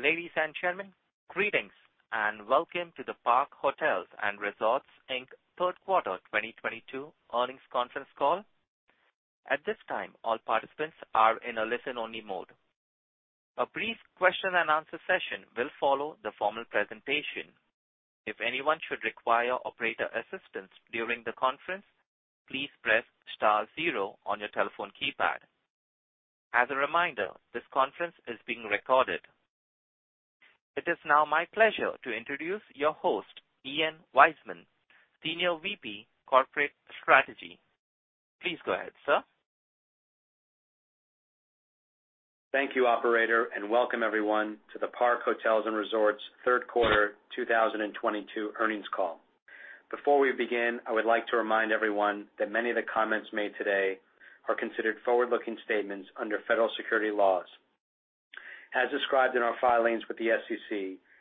Ladies and gentlemen, greetings and welcome to the Park Hotels & Resorts Inc. Q3 2022 earnings conference call. At this time, all participants are in a listen-only mode. A brief question and answer session will follow the formal presentation. If anyone should require operator assistance during the conference, please press star zero on your telephone keypad. As a reminder, this conference is being recorded. It is now my pleasure to introduce your host, Ian Weissman, Senior VP, Corporate Strategy. Please go ahead, sir. Thank you, operator, and welcome everyone to the Park Hotels & Resorts Q3 2022 earnings call. Before we begin, I would like to remind everyone that many of the comments made today are considered forward-looking statements under federal securities laws. As described in our filings with the SEC,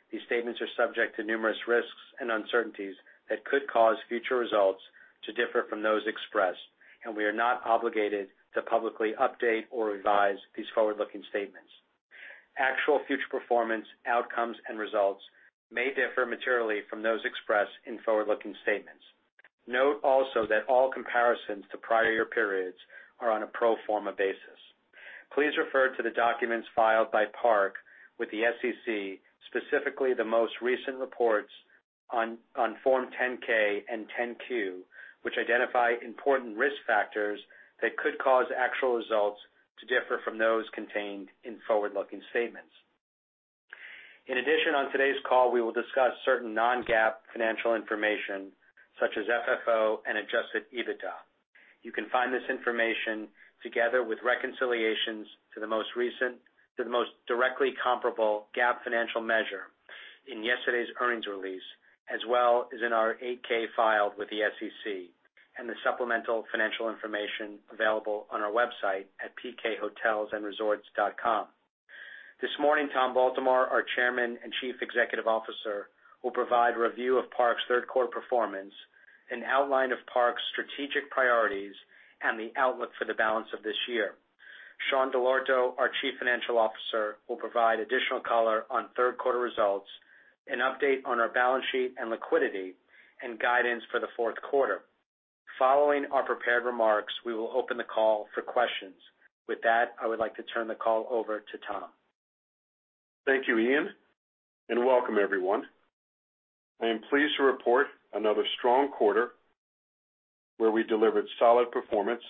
these statements are subject to numerous risks and uncertainties that could cause future results to differ from those expressed, and we are not obligated to publicly update or revise these forward-looking statements. Actual future performance, outcomes, and results may differ materially from those expressed in forward-looking statements. Note also that all comparisons to prior year periods are on a pro forma basis. Please refer to the documents filed by Park with the SEC, specifically the most recent reports on Form 10-K and Form 10-Q, which identify important risk factors that could cause actual results to differ from those contained in forward-looking statements. In addition, on today's call we will discuss certain non-GAAP financial information such as FFO and adjusted EBITDA. You can find this information together with reconciliations to the most directly comparable GAAP financial measure in yesterday's earnings release, as well as in our 8-K filed with the SEC and the supplemental financial information available on our website at pkhotelsandresorts.com. This morning, Tom Baltimore, our Chairman and Chief Executive Officer, will provide review of Park's Q3 performance, an outline of Park's strategic priorities, and the outlook for the balance of this year. Sean Dell'Orto, our Chief Financial Officer, will provide additional color on Q3 results, an update on our balance sheet and liquidity, and guidance for the Q4. Following our prepared remarks, we will open the call for questions. With that, I would like to turn the call over to Tom. Thank you, Ian, and welcome everyone. I am pleased to report another strong quarter where we delivered solid performance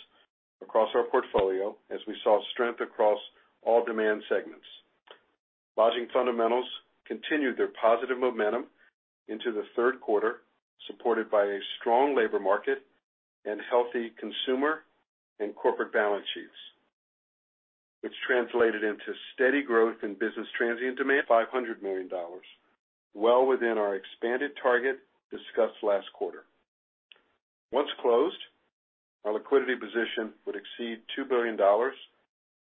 across our portfolio as we saw strength across all demand segments. Lodging fundamentals continued their positive momentum into the Q3, supported by a strong labor market and healthy consumer and corporate balance sheets, which translated into steady growth in business transient demand $500 million, well within our expanded target discussed last quarter. Once closed, our liquidity position would exceed $2 billion,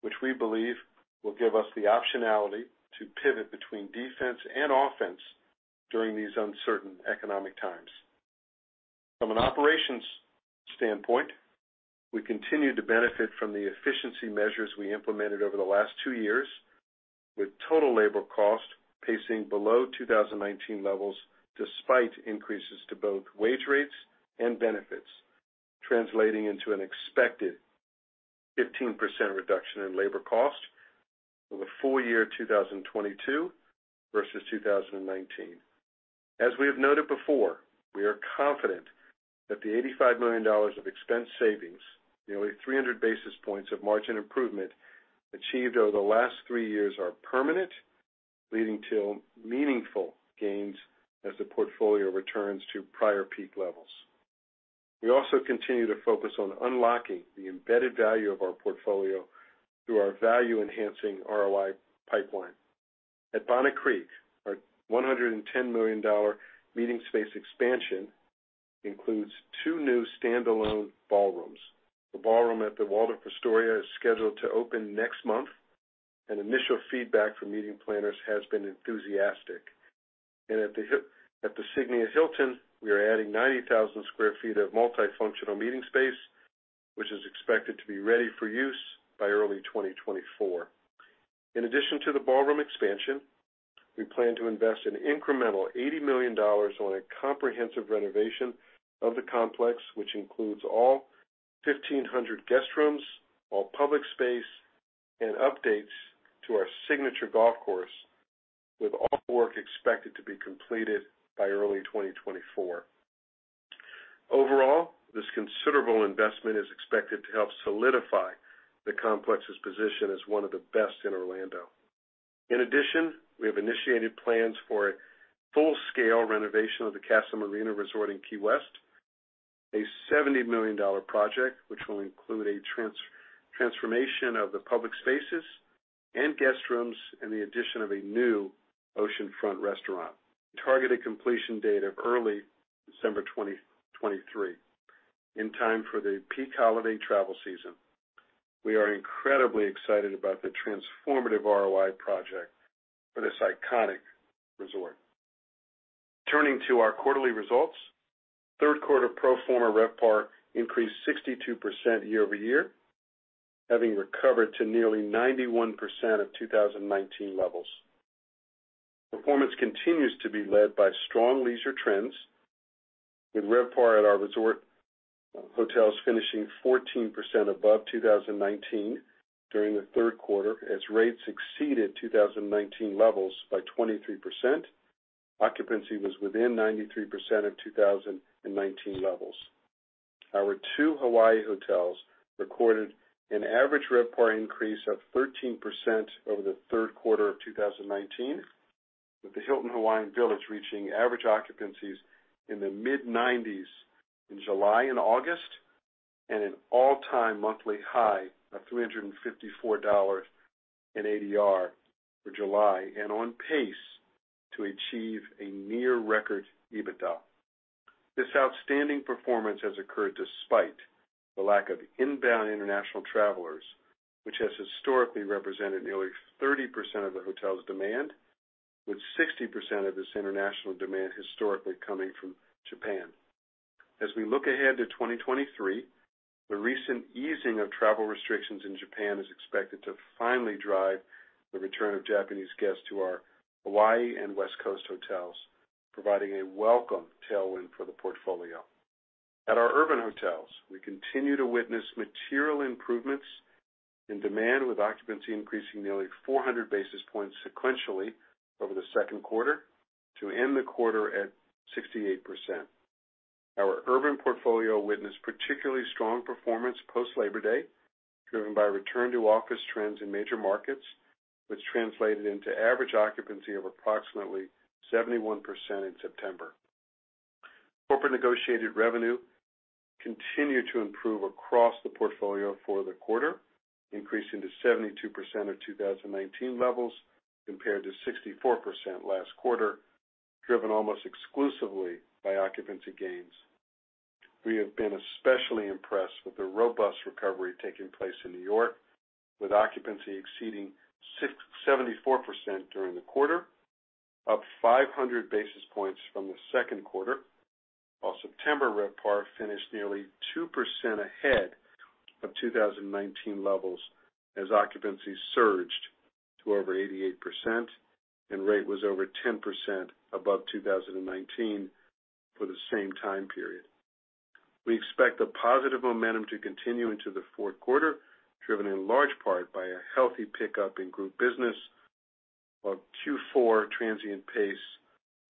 which we believe will give us the optionality to pivot between defense and offense during these uncertain economic times. From an operations standpoint, we continue to benefit from the efficiency measures we implemented over the last 2 years, with total labor cost pacing below 2019 levels, despite increases to both wage rates and benefits, translating into an expected 15% reduction in labor cost over full year 2022 versus 2019. We are confident that the $85 million of expense savings, nearly 300 basis points of margin improvement achieved over the last 3 years are permanent, leading to meaningful gains as the portfolio returns to prior peak levels. We also continue to focus on unlocking the embedded value of our portfolio through our value enhancing ROI pipeline. At Bonnet Creek, our $110 million meeting space expansion includes two new standalone ballrooms. The ballroom at the Waldorf Astoria is scheduled to open next month, and initial feedback from meeting planners has been enthusiastic. At the Signia by Hilton, we are adding 90,000 sq ft of multifunctional meeting space, which is expected to be ready for use by early 2024. In addition to the ballroom expansion, we plan to invest an incremental $80 million on a comprehensive renovation of the complex, which includes all 1,500 guest rooms, all public space, and updates to our signature golf course, with all work expected to be completed by early 2024. Overall, this considerable investment is expected to help solidify the complex's position as one of the best in Orlando. In addition, we have initiated plans for a full-scale renovation of the Casa Marina Resort in Key West, a $70 million project which will include a transformation of the public spaces and guest rooms, and the addition of a new oceanfront restaurant. Targeted completion date of early December 2023, in time for the peak holiday travel season. We are incredibly excited about the transformative ROI project for this iconic resort. Turning to our quarterly results, Q3 pro forma RevPAR increased 62% year-over-year, having recovered to nearly 91% of 2019 levels. Performance continues to be led by strong leisure trends, with RevPAR at our resort hotels finishing 14% above 2019 during the Q3, as rates exceeded 2019 levels by 23%. Occupancy was within 93% of 2019 levels. Our two Hawaii hotels recorded an average RevPAR increase of 13% over the Q3 of 2019, with the Hilton Hawaiian Village reaching average occupancies in the mid-90s in July and August, and an all-time monthly high of $354 in ADR for July and on pace to achieve a near record EBITDA. This outstanding performance has occurred despite the lack of inbound international travelers, which has historically represented nearly 30% of the hotel's demand, with 60% of this international demand historically coming from Japan. As we look ahead to 2023, the recent easing of travel restrictions in Japan is expected to finally drive the return of Japanese guests to our Hawaii and West Coast hotels, providing a welcome tailwind for the portfolio. At our urban hotels, we continue to witness material improvements in demand, with occupancy increasing nearly 400 basis points sequentially over the Q2 to end the quarter at 68%. Our urban portfolio witnessed particularly strong performance post Labor Day, driven by return to office trends in major markets, which translated into average occupancy of approximately 71% in September. Corporate negotiated revenue continued to improve across the portfolio for the quarter, increasing to 72% of 2019 levels compared to 64% last quarter, driven almost exclusively by occupancy gains. We have been especially impressed with the robust recovery taking place in New York, with occupancy exceeding 74% during the quarter, up 500 basis points from the Q2. While September RevPAR finished nearly 2% ahead of 2019 levels as occupancy surged to over 88% and rate was over 10% above 2019 for the same time period. We expect the positive momentum to continue into the Q4, driven in large part by a healthy pickup in group business. While Q4 transient pace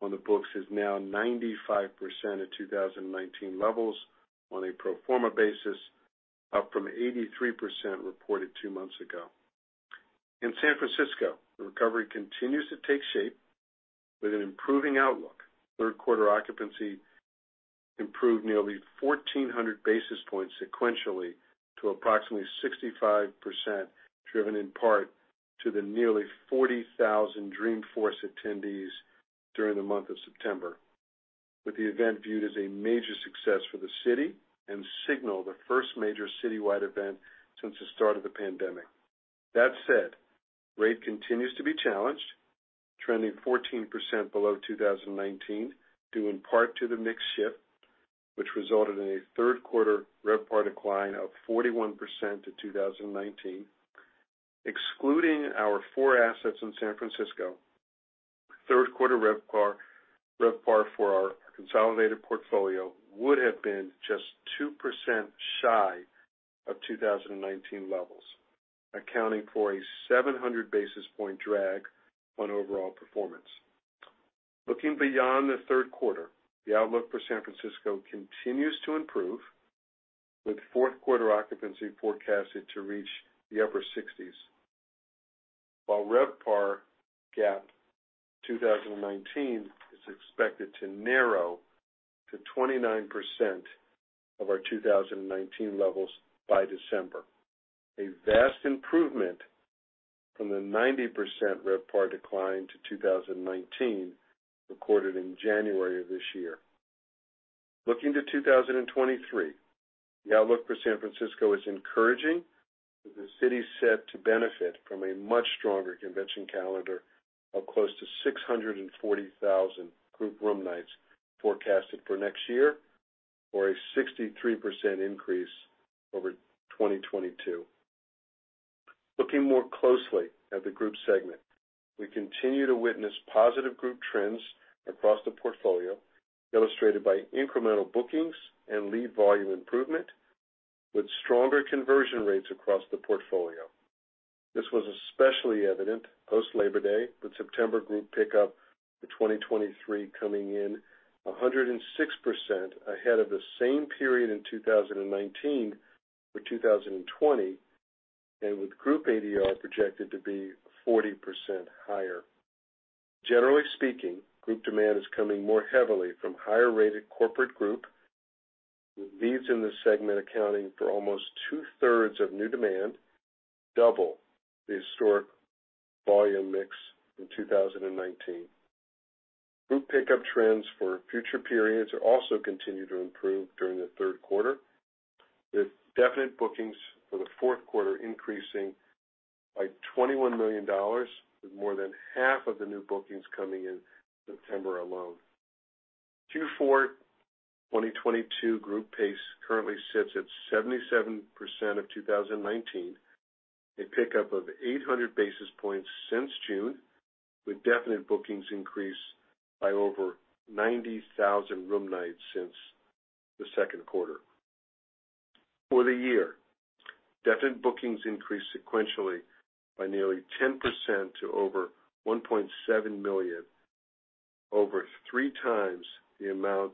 on the books is now 95% of 2019 levels on a pro forma basis, up from 83% reported two months ago. In San Francisco, the recovery continues to take shape with an improving outlook. Q3 occupancy improved nearly 1,400 basis points sequentially to approximately 65%, driven in part to the nearly 40,000 Dreamforce attendees during the month of September. With the event viewed as a major success for the city and signaling the first major citywide event since the start of the pandemic. That said, rates continue to be challenged, trending 14% below 2019, due in part to the mix shift, which resulted in a Q3 RevPAR decline of 41% to 2019. Excluding our four assets in San Francisco, Q3 RevPAR for our consolidated portfolio would have been just 2% shy of 2019 levels, accounting for a 700 basis points drag on overall performance. Looking beyond the Q3, the outlook for San Francisco continues to improve, with Q4 occupancy forecasted to reach the upper 60s, while RevPAR gap to 2019 is expected to narrow to 29% of our 2019 levels by December. A vast improvement from the 90% RevPAR decline to 2019 recorded in January of this year. Looking to 2023, the outlook for San Francisco is encouraging, with the city set to benefit from a much stronger convention calendar of close to 640,000 group room nights forecasted for next year, or a 63% increase over 2022. Looking more closely at the group segment, we continue to witness positive group trends across the portfolio, illustrated by incremental bookings and lead volume improvement with stronger conversion rates across the portfolio. This was especially evident post Labor Day, with September group pickup for 2023 coming in a 106% ahead of the same period in 2019 for 2020, and with group ADR projected to be 40% higher. Generally speaking, group demand is coming more heavily from higher rated corporate group, with leads in the segment accounting for almost two-thirds of new demand, double the historic volume mix in 2019. Group pickup trends for future periods also continued to improve during the Q3. With definite bookings for the Q4 increasing by $21 million, with more than half of the new bookings coming in September alone. Q4 2022 group pace currently sits at 77% of 2019, a pickup of 800 basis points since June, with definite bookings increase by over 90,000 room nights since the Q2. For the year, definite bookings increased sequentially by nearly 10% to over 1.7 million, over three times the amount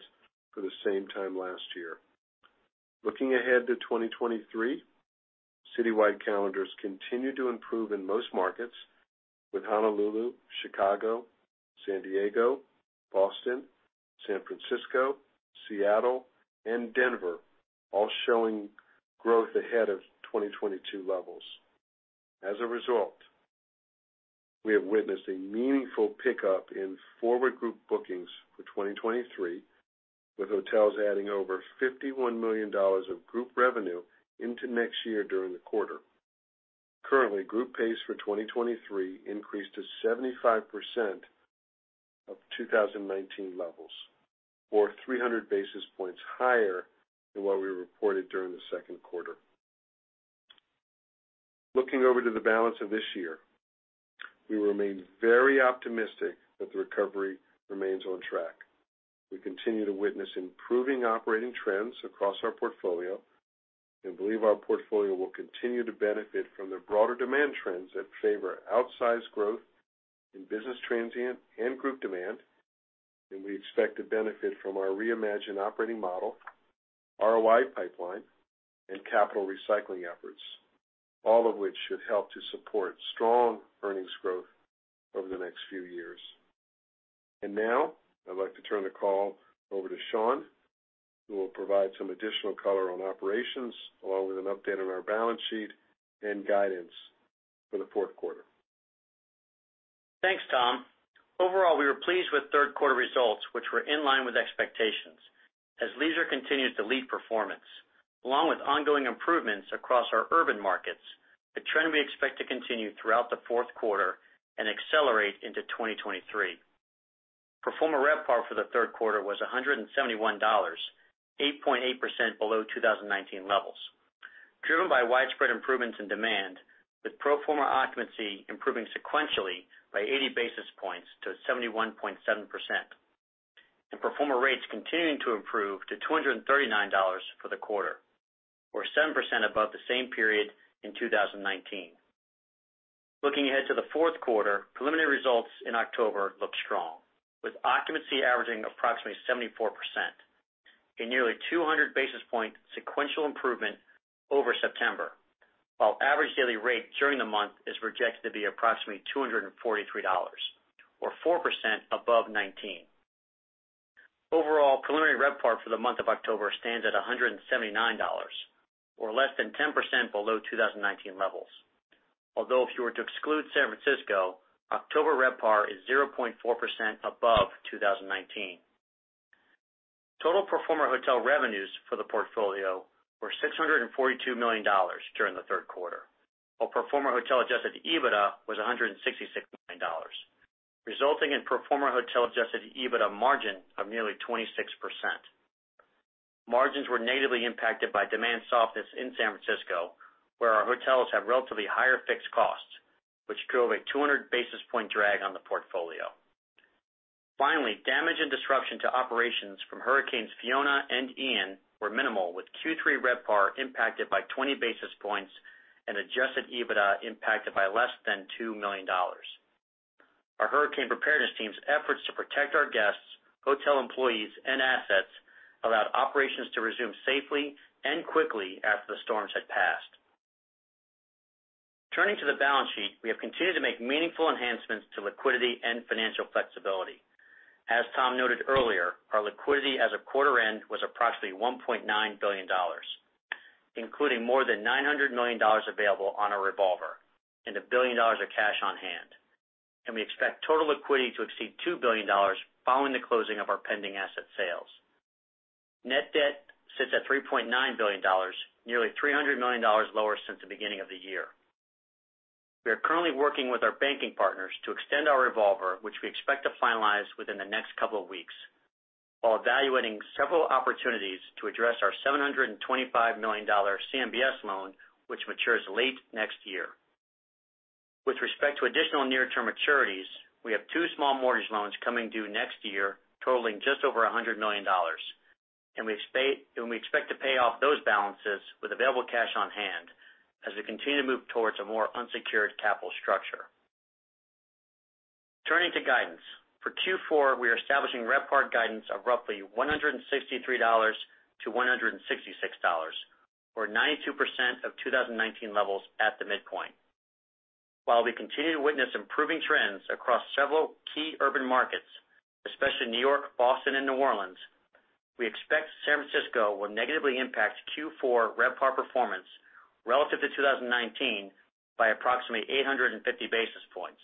for the same time last year. Looking ahead to 2023, citywide calendars continue to improve in most markets, with Honolulu, Chicago, San Diego, Boston, San Francisco, Seattle, and Denver all showing growth ahead of 2022 levels. As a result, we have witnessed a meaningful pickup in forward group bookings for 2023, with hotels adding over $51 million of group revenue into next year during the quarter. Currently, group pace for 2023 increased to 75% of 2019 levels, or 300 basis points higher than what we reported during the Q2. Looking over to the balance of this year, we remain very optimistic that the recovery remains on track. We continue to witness improving operating trends across our portfolio and believe our portfolio will continue to benefit from the broader demand trends that favor outsized growth in business transient and group demand. We expect to benefit from our reimagined operating model, ROI pipeline, and capital recycling efforts, all of which should help to support strong earnings growth over the next few years. Now I'd like to turn the call over to Sean, who will provide some additional color on operations, along with an update on our balance sheet and guidance for the Q4. Thanks, Tom. Overall, we were pleased with Q3 results, which were in line with expectations as leisure continued to lead performance, along with ongoing improvements across our urban markets, a trend we expect to continue throughout the Q4 and accelerate into 2023. Pro forma RevPAR for the Q3 was $171, 8.8% below 2019 levels, driven by widespread improvements in demand, with pro forma occupancy improving sequentially by 80 basis points to 71.7%. Pro forma rates continuing to improve to $239 for the quarter, or 7% above the same period in 2019. Looking ahead to the Q4, preliminary results in October look strong, with occupancy averaging approximately 74%, a nearly 200 basis point sequential improvement over September, while average daily rate during the month is projected to be approximately $243, or 4% above 2019. Overall, preliminary RevPAR for the month of October stands at $179, or less than 10% below 2019 levels. Although if you were to exclude San Francisco, October RevPAR is 0.4% above 2019. Total pro forma hotel revenues for the portfolio were $642 million during the Q3, while pro forma hotel adjusted EBITDA was $166 million, resulting in pro forma hotel adjusted EBITDA margin of nearly 26%. Margins were negatively impacted by demand softness in San Francisco, where our hotels have relatively higher fixed costs, which drove a 200 basis point drag on the portfolio. Finally, damage and disruption to operations from Hurricanes Fiona and Ian were minimal, with Q3 RevPAR impacted by 20 basis points and adjusted EBITDA impacted by less than $2 million. Our hurricane preparedness team's efforts to protect our guests, hotel employees, and assets allowed operations to resume safely and quickly after the storms had passed. Turning to the balance sheet, we have continued to make meaningful enhancements to liquidity and financial flexibility. As Tom noted earlier, our liquidity as of quarter end was approximately $1.9 billion, including more than $900 million available on our revolver and $1 billion of cash on hand. We expect total liquidity to exceed $2 billion following the closing of our pending asset sales. Net debt sits at $3.9 billion, nearly $300 million lower since the beginning of the year. We are currently working with our banking partners to extend our revolver, which we expect to finalize within the next couple of weeks, while evaluating several opportunities to address our $725 million CMBS loan, which matures late next year. With respect to additional near-term maturities, we have two small mortgage loans coming due next year, totaling just over $100 million. We expect to pay off those balances with available cash on hand as we continue to move towards a more unsecured capital structure. Turning to guidance. For Q4, we are establishing RevPAR guidance of roughly $163 to 166, or 92% of 2019 levels at the midpoint. While we continue to witness improving trends across several key urban markets, especially New York, Boston, and New Orleans, we expect San Francisco will negatively impact Q4 RevPAR performance relative to 2019 by approximately 850 basis points.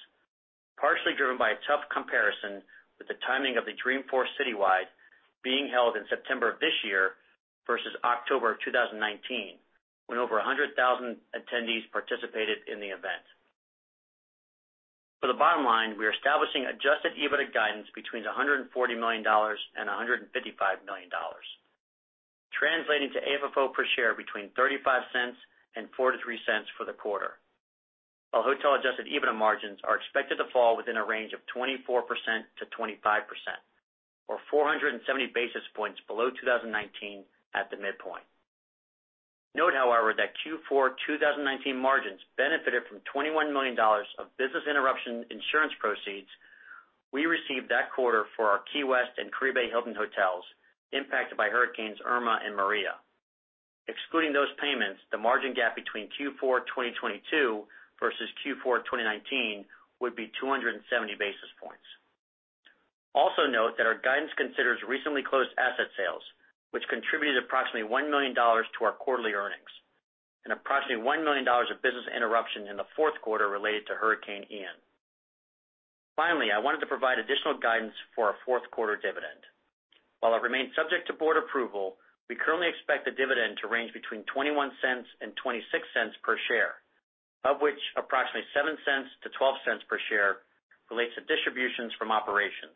Partially driven by a tough comparison with the timing of the Dreamforce citywide being held in September of this year versus October of 2019, when over 100,000 attendees participated in the event. For the bottom line, we are establishing adjusted EBIT guidance between $140 million and $155 million, translating to AFFO per share between $0.35 and $0.43 for the quarter. While hotel adjusted EBITDA margins are expected to fall within a range of 24 to 25% or 470 basis points below 2019 at the midpoint. Note, however, that Q4 2019 margins benefited from $21 million of business interruption insurance proceeds we received that quarter for our Key West and Caribe Hilton hotels impacted by Hurricane Irma and Hurricane Maria. Excluding those payments, the margin gap between Q4 2022 versus Q4 2019 would be 270 basis points. Also note that our guidance considers recently closed asset sales, which contributed approximately $1 million to our quarterly earnings and approximately $1 million of business interruption in the Q4 related to Hurricane Ian. Finally, I wanted to provide additional guidance for our Q4 dividend. While it remains subject to board approval, we currently expect the dividend to range between $0.21 and $0.26 per share, of which approximately $0.07 to 0.12 per share relates to distributions from operations,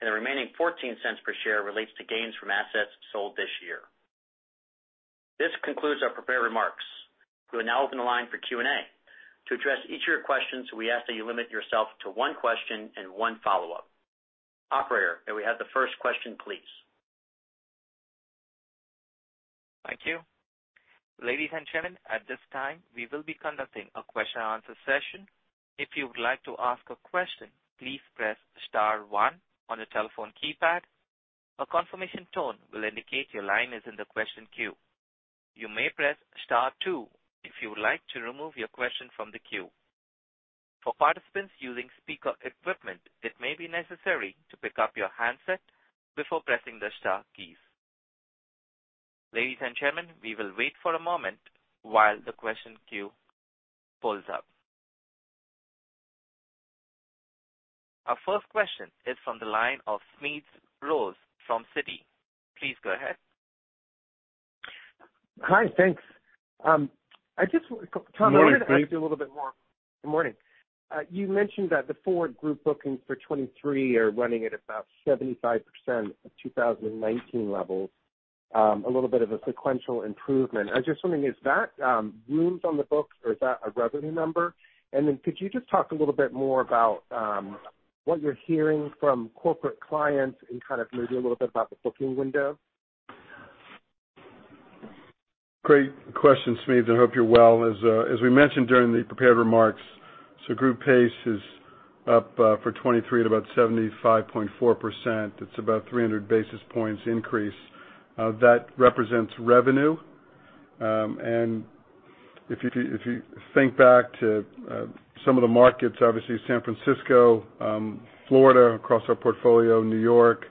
and the remaining $0.14 per share relates to gains from assets sold this year. This concludes our prepared remarks. We will now open the line for Q&A. To address each of your questions, we ask that you limit yourself to one question and one follow-up. Operator, may we have the first question, please? Thank you. Ladies and gentlemen, at this time, we will be conducting a question and answer session. If you would like to ask a question, please press star one on your telephone keypad. A confirmation tone will indicate your line is in the question queue. You may press star two if you would like to remove your question from the queue. For participants using speaker equipment, it may be necessary to pick up your handset before pressing the star keys. Ladies and gentlemen, we will wait for a moment while the question queue pulls up. Our first question is from the line of Smedes Rose from Citi. Please go ahead. Hi. Thanks. I just want to. Good morning, Smedes. Tom, I wanted to ask you a little bit more. Good morning. You mentioned that the forward group bookings for 2023 are running at about 75% of 2019 levels, a little bit of a sequential improvement. I was just wondering, is that rooms on the books, or is that a revenue number? Could you just talk a little bit more about what you're hearing from corporate clients and kind of maybe a little bit about the booking window? Great question, Smedes. I hope you're well. We mentioned during the prepared remarks, group pace is up for 2023 at about 75.4%. It's about 300 basis points increase. That represents revenue. If you think back to some of the markets, obviously San Francisco, Florida, across our portfolio, New York,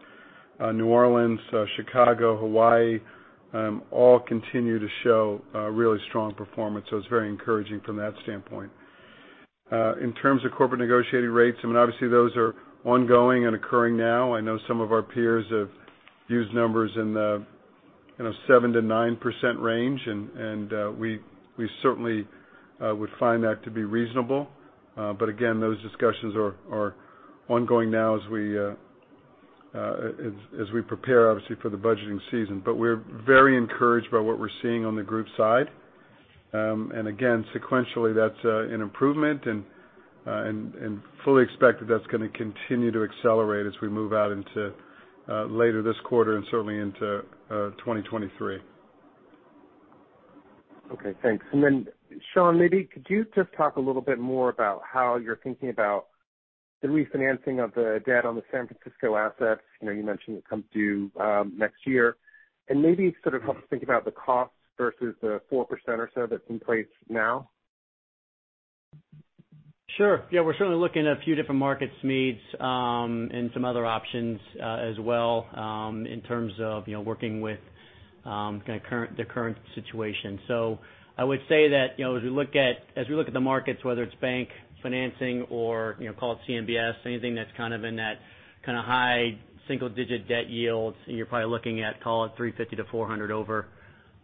New Orleans, Chicago, Hawaii, all continue to show really strong performance. It's very encouraging from that standpoint. In terms of corporate negotiating rates, I mean, obviously those are ongoing and occurring now. I know some of our peers have used numbers in the, you know, 7 to 9% range, and we certainly would find that to be reasonable. Again, those discussions are ongoing now as we prepare obviously for the budgeting season. We're very encouraged by what we're seeing on the group side. Again, sequentially, that's an improvement and fully expect that that's gonna continue to accelerate as we move out into later this quarter and certainly into 2023. Okay, thanks. Then, Sean, maybe could you just talk a little bit more about how you're thinking about the refinancing of the debt on the San Francisco assets? You know, you mentioned it comes due next year, and maybe sort of help us think about the costs versus the 4% or so that's in place now. Sure. Yeah, we're certainly looking at a few different markets, Smedes, and some other options, as well, in terms of, you know, working with the current situation. I would say that, you know, as we look at the markets, whether it's bank financing or, you know, call it CMBS, anything that's kind of in that kinda high single digit debt yields, and you're probably looking at, call it 350 to 400 over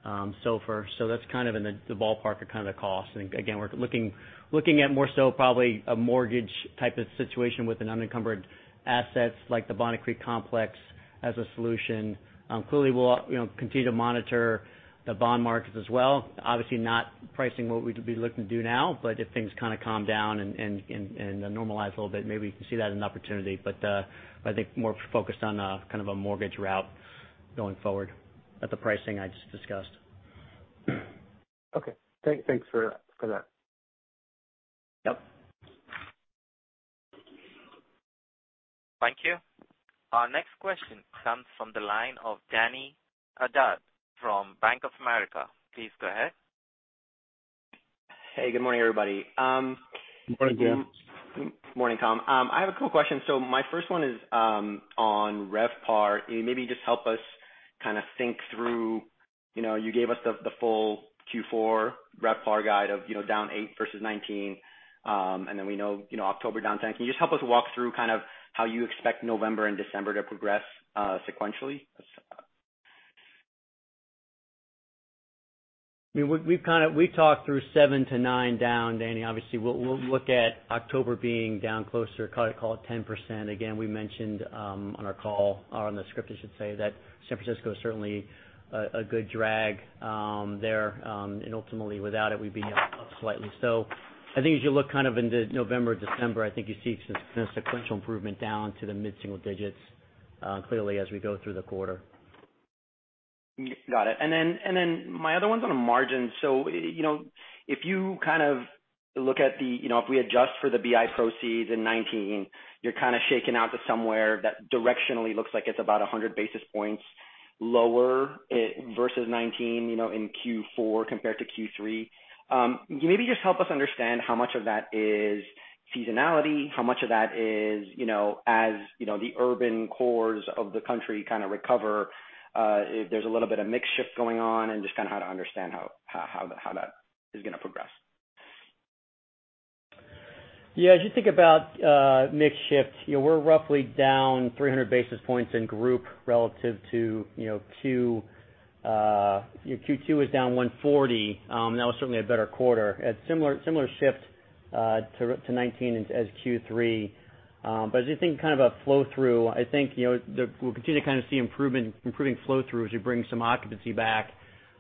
SOFR. That's kind of in the ballpark of the cost. Again, we're looking at more so probably a mortgage type of situation with an unencumbered assets like the Bonnet Creek complex as a solution. Clearly, we'll, you know, continue to monitor the bond markets as well. Obviously not pricing what we'd be looking to do now, but if things kinda calm down and normalize a little bit, maybe we can see that as an opportunity. I think more focused on kind of a mortgage route going forward at the pricing I just discussed. Okay. Thanks for that. Yep. Thank you. Our next question comes from the line of Dany Asad from Bank of America. Please go ahead. Hey, good morning, everybody. Good morning, Dan. Morning, Tom. I have a couple questions. My first one is on RevPAR. Maybe just help us kinda think through. You know, you gave us the full Q4 RevPAR guide of, you know, down 8% versus 2019. We know, you know, October down 10%. Can you just help us walk through kind of how you expect November and December to progress sequentially? I mean, we've kind of talked through 7 to 9% down, Dany. Obviously, we'll look at October being down closer, call it 10%. Again, we mentioned on our call or on the script, I should say, that San Francisco is certainly a good drag there. Ultimately, without it, we'd be up slightly. I think as you look kind of into November, December, I think you see some sequential improvement down to the mid-single digits, clearly as we go through the quarter. Got it. My other one's on margin. You know, if you kind of look at the. You know, if we adjust for the BI proceeds in 2019, you're kind of shaken out to somewhere that directionally looks like it's about 100 basis points lower versus 2019, you know, in Q4 compared to Q3. Maybe just help us understand how much of that is seasonality, how much of that is, you know, as, you know, the urban cores of the country kind of recover, if there's a little bit of mix shift going on, and just kind of how to understand how that is gonna progress. Yeah. As you think about mix shift, you know, we're roughly down 300 basis points in group relative to, you know, two, your Q2 was down 140. That was certainly a better quarter. Had similar shift to 2019 as Q3. As you think kind of a flow-through, I think, you know, we'll continue to kinda see improvement, improving flow-through as you bring some occupancy back.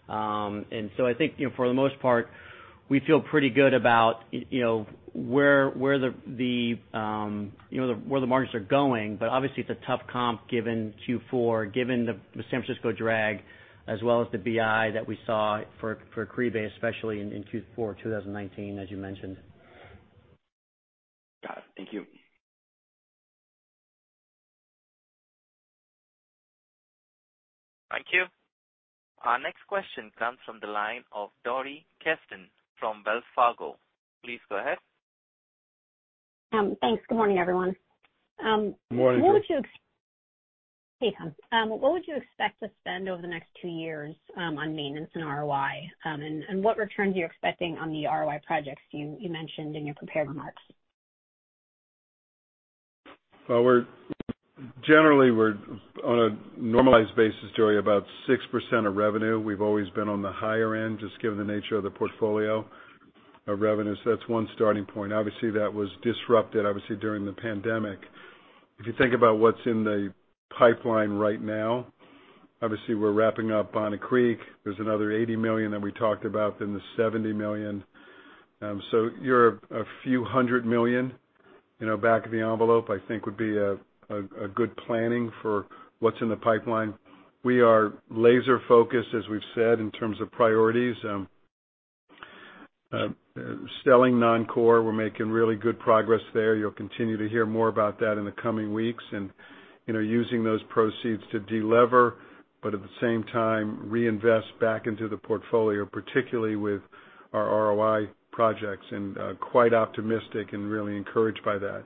I think, you know, for the most part, we feel pretty good about, you know, where the markets are going. Obviously, it's a tough comp given Q4, given the San Francisco drag as well as the BI that we saw for Caribe Hilton, especially in Q4 2019, as you mentioned. Got it. Thank you. Thank you. Our next question comes from the line of Dori Kesten from Wells Fargo. Please go ahead. Thanks. Good morning, everyone. Good morning, Dori. Hey, Tom. What would you expect to spend over the next two years on maintenance and ROI? What returns are you expecting on the ROI projects you mentioned in your prepared remarks? We're generally on a normalized basis, Dori, about 6% of revenue. We've always been on the higher end, just given the nature of the portfolio of revenue. That's one starting point. Obviously, that was disrupted, obviously, during the pandemic. If you think about what's in the pipeline right now, obviously we're wrapping up Bonnet Creek. There's another $80 million that we talked about, then the $70 million. You're a few hundred million, back-of-the-envelope, I think would be a good planning for what's in the pipeline. We are laser-focused, as we've said, in terms of priorities. Selling non-core, we're making really good progress there. You'll continue to hear more about that in the coming weeks. You know, using those proceeds to de-lever, but at the same time, reinvest back into the portfolio, particularly with our ROI projects, and quite optimistic and really encouraged by that.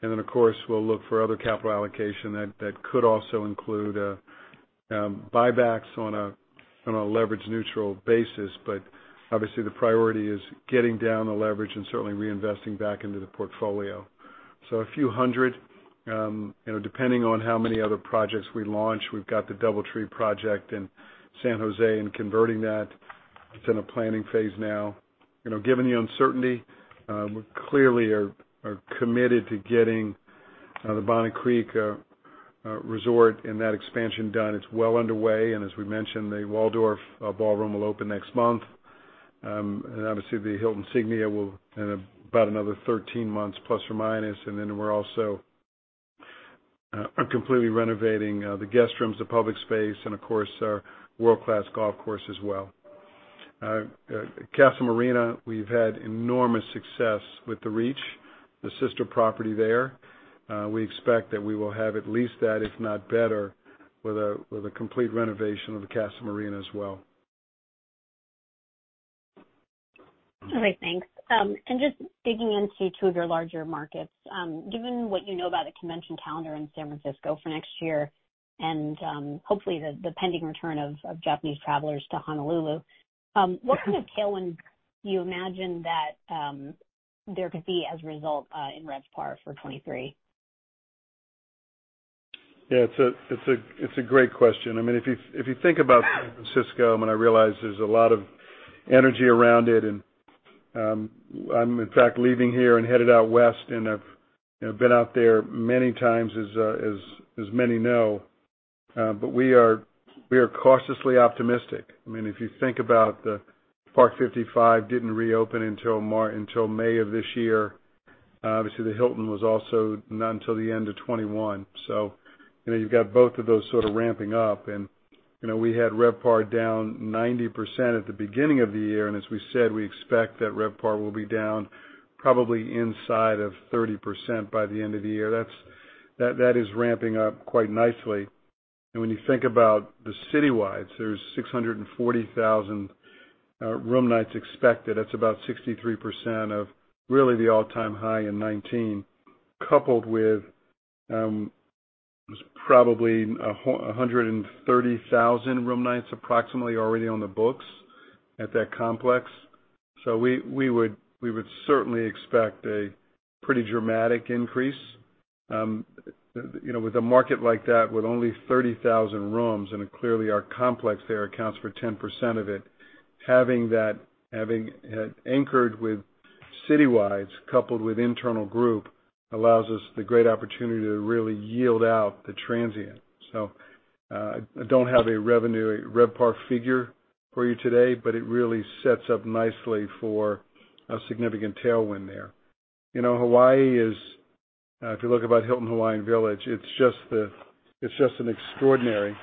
Then, of course, we'll look for other capital allocation that could also include buybacks on a leverage neutral basis. Obviously the priority is getting down the leverage and certainly reinvesting back into the portfolio. A few hundred, you know, depending on how many other projects we launch. We've got the DoubleTree project in San Jose and converting that. It's in a planning phase now. You know, given the uncertainty, we clearly are committed to getting the Bonnet Creek resort and that expansion done. It's well underway, and as we mentioned, the Waldorf ballroom will open next month. Obviously, the Signia by Hilton will in about another 13 months plus or minus. Then we're also completely renovating the guest rooms, the public space, and of course, our world-class golf course as well. Casa Marina, we've had enormous success with the Reach, the sister property there. We expect that we will have at least that, if not better, with a complete renovation of the Casa Marina as well. All right, thanks. Just digging into two of your larger markets. Given what you know about the convention calendar in San Francisco for next year and hopefully the pending return of Japanese travelers to Honolulu, what kind of tailwind do you imagine that there could be as a result in RevPAR for 2023? Yeah, it's a great question. I mean, if you think about San Francisco, I mean, I realize there's a lot of energy around it and I'm in fact leaving here and headed out West, and I've you know been out there many times as many know. We are cautiously optimistic. I mean, if you think about the Parc 55 didn't reopen until May of this year. Obviously the Hilton was also not until the end of 2021. You know, you've got both of those sort of ramping up. You know, we had RevPAR down 90% at the beginning of the year, and as we said, we expect that RevPAR will be down probably inside of 30% by the end of the year. That is ramping up quite nicely. When you think about the citywide, so there's 640,000 room nights expected. That's about 63% of really the all-time high in 2019, coupled with probably a hundred and thirty thousand room nights approximately already on the books at that complex. We would certainly expect a pretty dramatic increase. You know, with a market like that, with only 30,000 rooms and clearly our complex there accounts for 10% of it, having it anchored with citywide coupled with internal group allows us the great opportunity to really yield out the transient. I don't have a RevPAR figure for you today, but it really sets up nicely for a significant tailwind there. You know, Hawaii is, if you look about Hilton Hawaiian Village, it's just an extraordinary,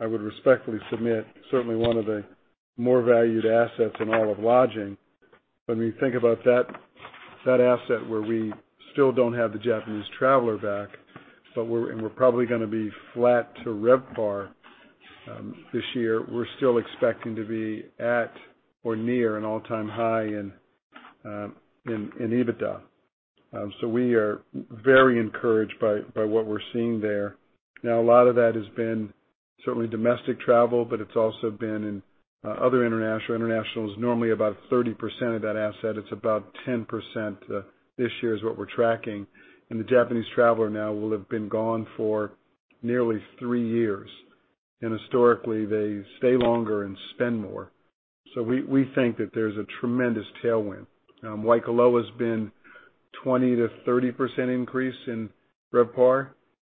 I would respectfully submit, certainly one of the more valued assets in all of lodging. When we think about that asset where we still don't have the Japanese traveler back, but we're probably gonna be flat to RevPAR, this year, we're still expecting to be at or near an all-time high in EBITDA. So we are very encouraged by what we're seeing there. Now, a lot of that has been certainly domestic travel, but it's also been in other international. International is normally about 30% of that asset. It's about 10%, this year, is what we're tracking. The Japanese traveler now will have been gone for nearly three years. Historically, they stay longer and spend more. We think that there's a tremendous tailwind. Waikoloa has been 20 to 30% increase in RevPAR.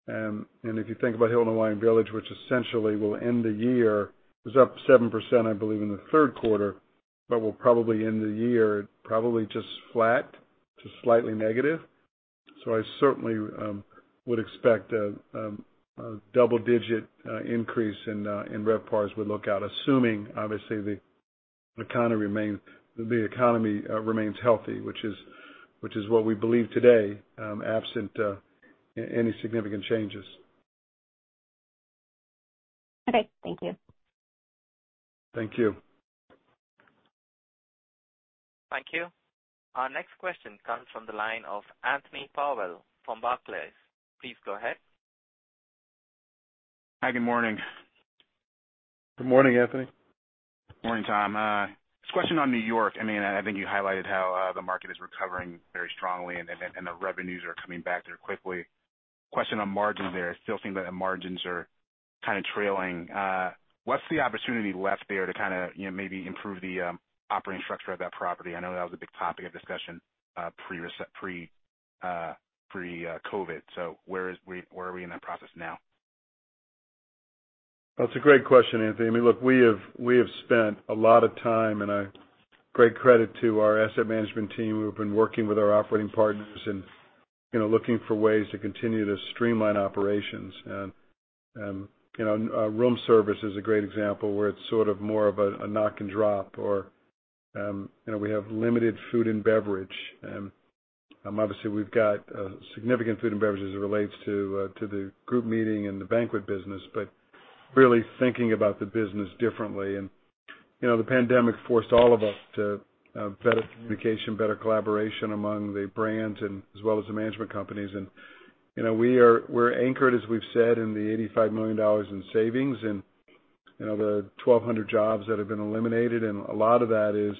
If you think about Hilton Hawaiian Village, which essentially will end the year, it was up 7%, I believe, in the Q3, but will probably end the year just flat to slightly negative. I certainly would expect a double-digit increase in RevPARs as we look out, assuming, obviously, the economy remains healthy, which is what we believe today, absent any significant changes. Okay. Thank you. Thank you. Thank you. Our next question comes from the line of Anthony Powell from Barclays. Please go ahead. Hi. Good morning. Good morning, Anthony. Morning, Tom. Just a question on New York. I mean, I think you highlighted how the market is recovering very strongly and the revenues are coming back there quickly. Question on margins there. It still seems that the margins are kinda trailing. What's the opportunity left there to kinda, you know, maybe improve the operating structure of that property? I know that was a big topic of discussion pre-COVID. Where are we in that process now? That's a great question, Anthony. I mean, look, we have spent a lot of time, and a great credit to our asset management team who have been working with our operating partners and, you know, looking for ways to continue to streamline operations. You know, room service is a great example where it's sort of more of a knock and drop or, you know, we have limited food and beverage. Obviously we've got significant food and beverage as it relates to the group meeting and the banquet business, but really thinking about the business differently. You know, the pandemic forced all of us to better communication, better collaboration among the brands and as well as the management companies. You know, we're anchored, as we've said, in the $85 million in savings and, you know, the 1,200 jobs that have been eliminated. A lot of that is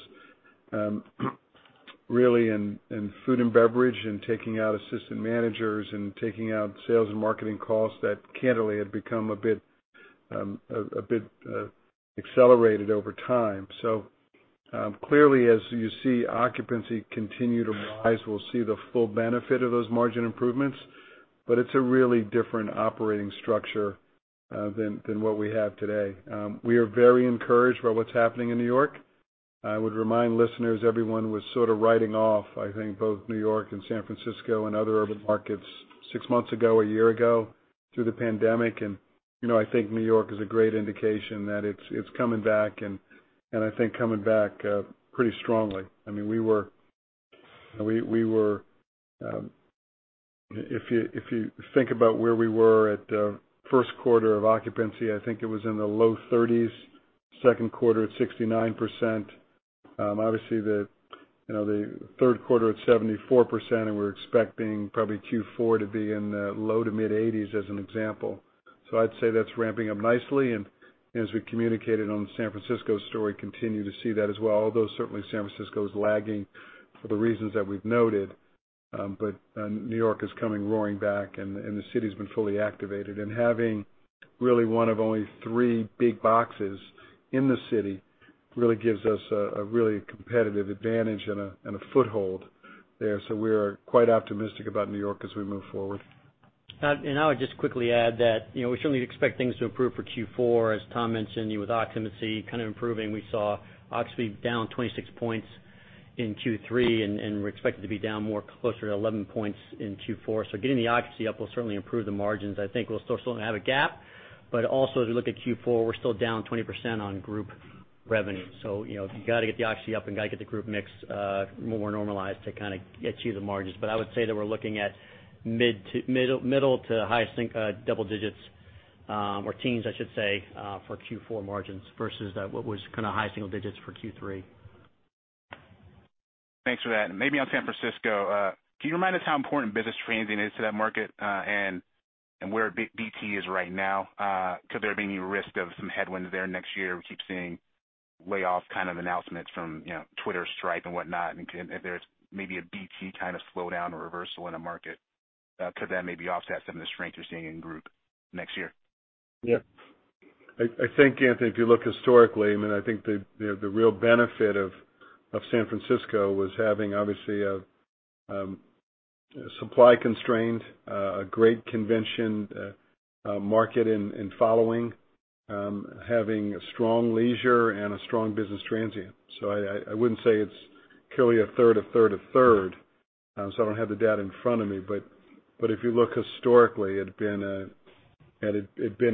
really in food and beverage and taking out assistant managers and taking out sales and marketing costs that candidly had become a bit, a bit accelerated over time. Clearly, as you see occupancy continue to rise, we'll see the full benefit of those margin improvements, but it's a really different operating structure than what we have today. We are very encouraged by what's happening in New York. I would remind listeners, everyone was sort of writing off, I think, both New York and San Francisco and other urban markets six months ago, a year ago, through the pandemic. You know, I think New York is a great indication that it's coming back and I think coming back pretty strongly. I mean, we were. If you think about where we were at, Q1 of occupancy, I think it was in the low 30s, Q2 at 69%. Obviously, you know, the Q3 at 74%, and we're expecting probably Q4 to be in the low-to-mid 80s as an example. I'd say that's ramping up nicely, and as we communicated on the San Francisco story, continue to see that as well, although certainly San Francisco is lagging for the reasons that we've noted. New York is coming roaring back and the city's been fully activated. Having really one of only three big boxes in the city really gives us a really competitive advantage and a foothold there. We are quite optimistic about New York as we move forward. I would just quickly add that, you know, we certainly expect things to improve for Q4. As Tom mentioned, you know, with occupancy kind of improving, we saw occupancy down 26 points in Q3 and we're expected to be down more closer to 11 points in Q4. Getting the occupancy up will certainly improve the margins. I think we'll still have a gap, but also as we look at Q4, we're still down 20% on group revenue. You know, you gotta get the occupancy up and gotta get the group mix more normalized to kind a get you the margins. But I would say that we're looking at mid to middle to highest double digits or teens, I should say, for Q4 margins versus what was kind of high single digits for Q3. Thanks for that. Maybe on San Francisco, can you remind us how important business transient is to that market, and where BT is right now? Could there be any risk of some headwinds there next year? We keep seeing layoff kind of announcements from, you know, Twitter, Stripe and whatnot, and if there's maybe a BT kind of slowdown or reversal in a market, could that maybe offset some of the strength you're seeing in group next year? Yeah. I think, Anthony, if you look historically, I mean, I think the real benefit of San Francisco was having obviously a supply constrained great convention market and following having a strong leisure and a strong business transient. I wouldn't say it's clearly a third, so I don't have the data in front of me, but if you look historically, it had been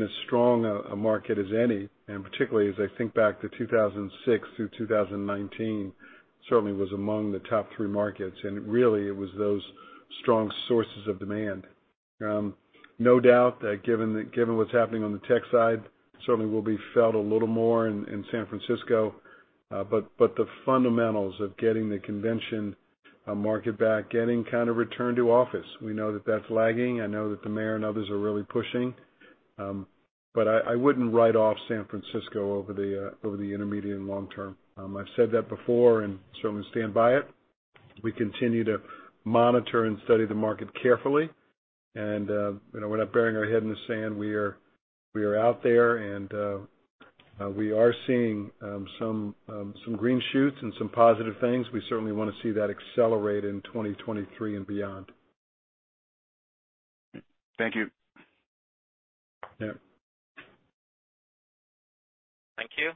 as strong a market as any. Particularly as I think back to 2006 through 2019, certainly was among the top three markets. Really, it was those strong sources of demand. No doubt that given what's happening on the tech side, certainly will be felt a little more in San Francisco. The fundamentals of getting the convention market back, getting kind of return to office, we know that that's lagging. I know that the mayor and others are really pushing. I wouldn't write off San Francisco over the intermediate and long term. I've said that before and certainly stand by it. We continue to monitor and study the market carefully, and you know, we're not burying our head in the sand. We are out there and we are seeing some green shoots and some positive things. We certainly wanna see that accelerate in 2023 and beyond. Thank you. Yeah. Thank you.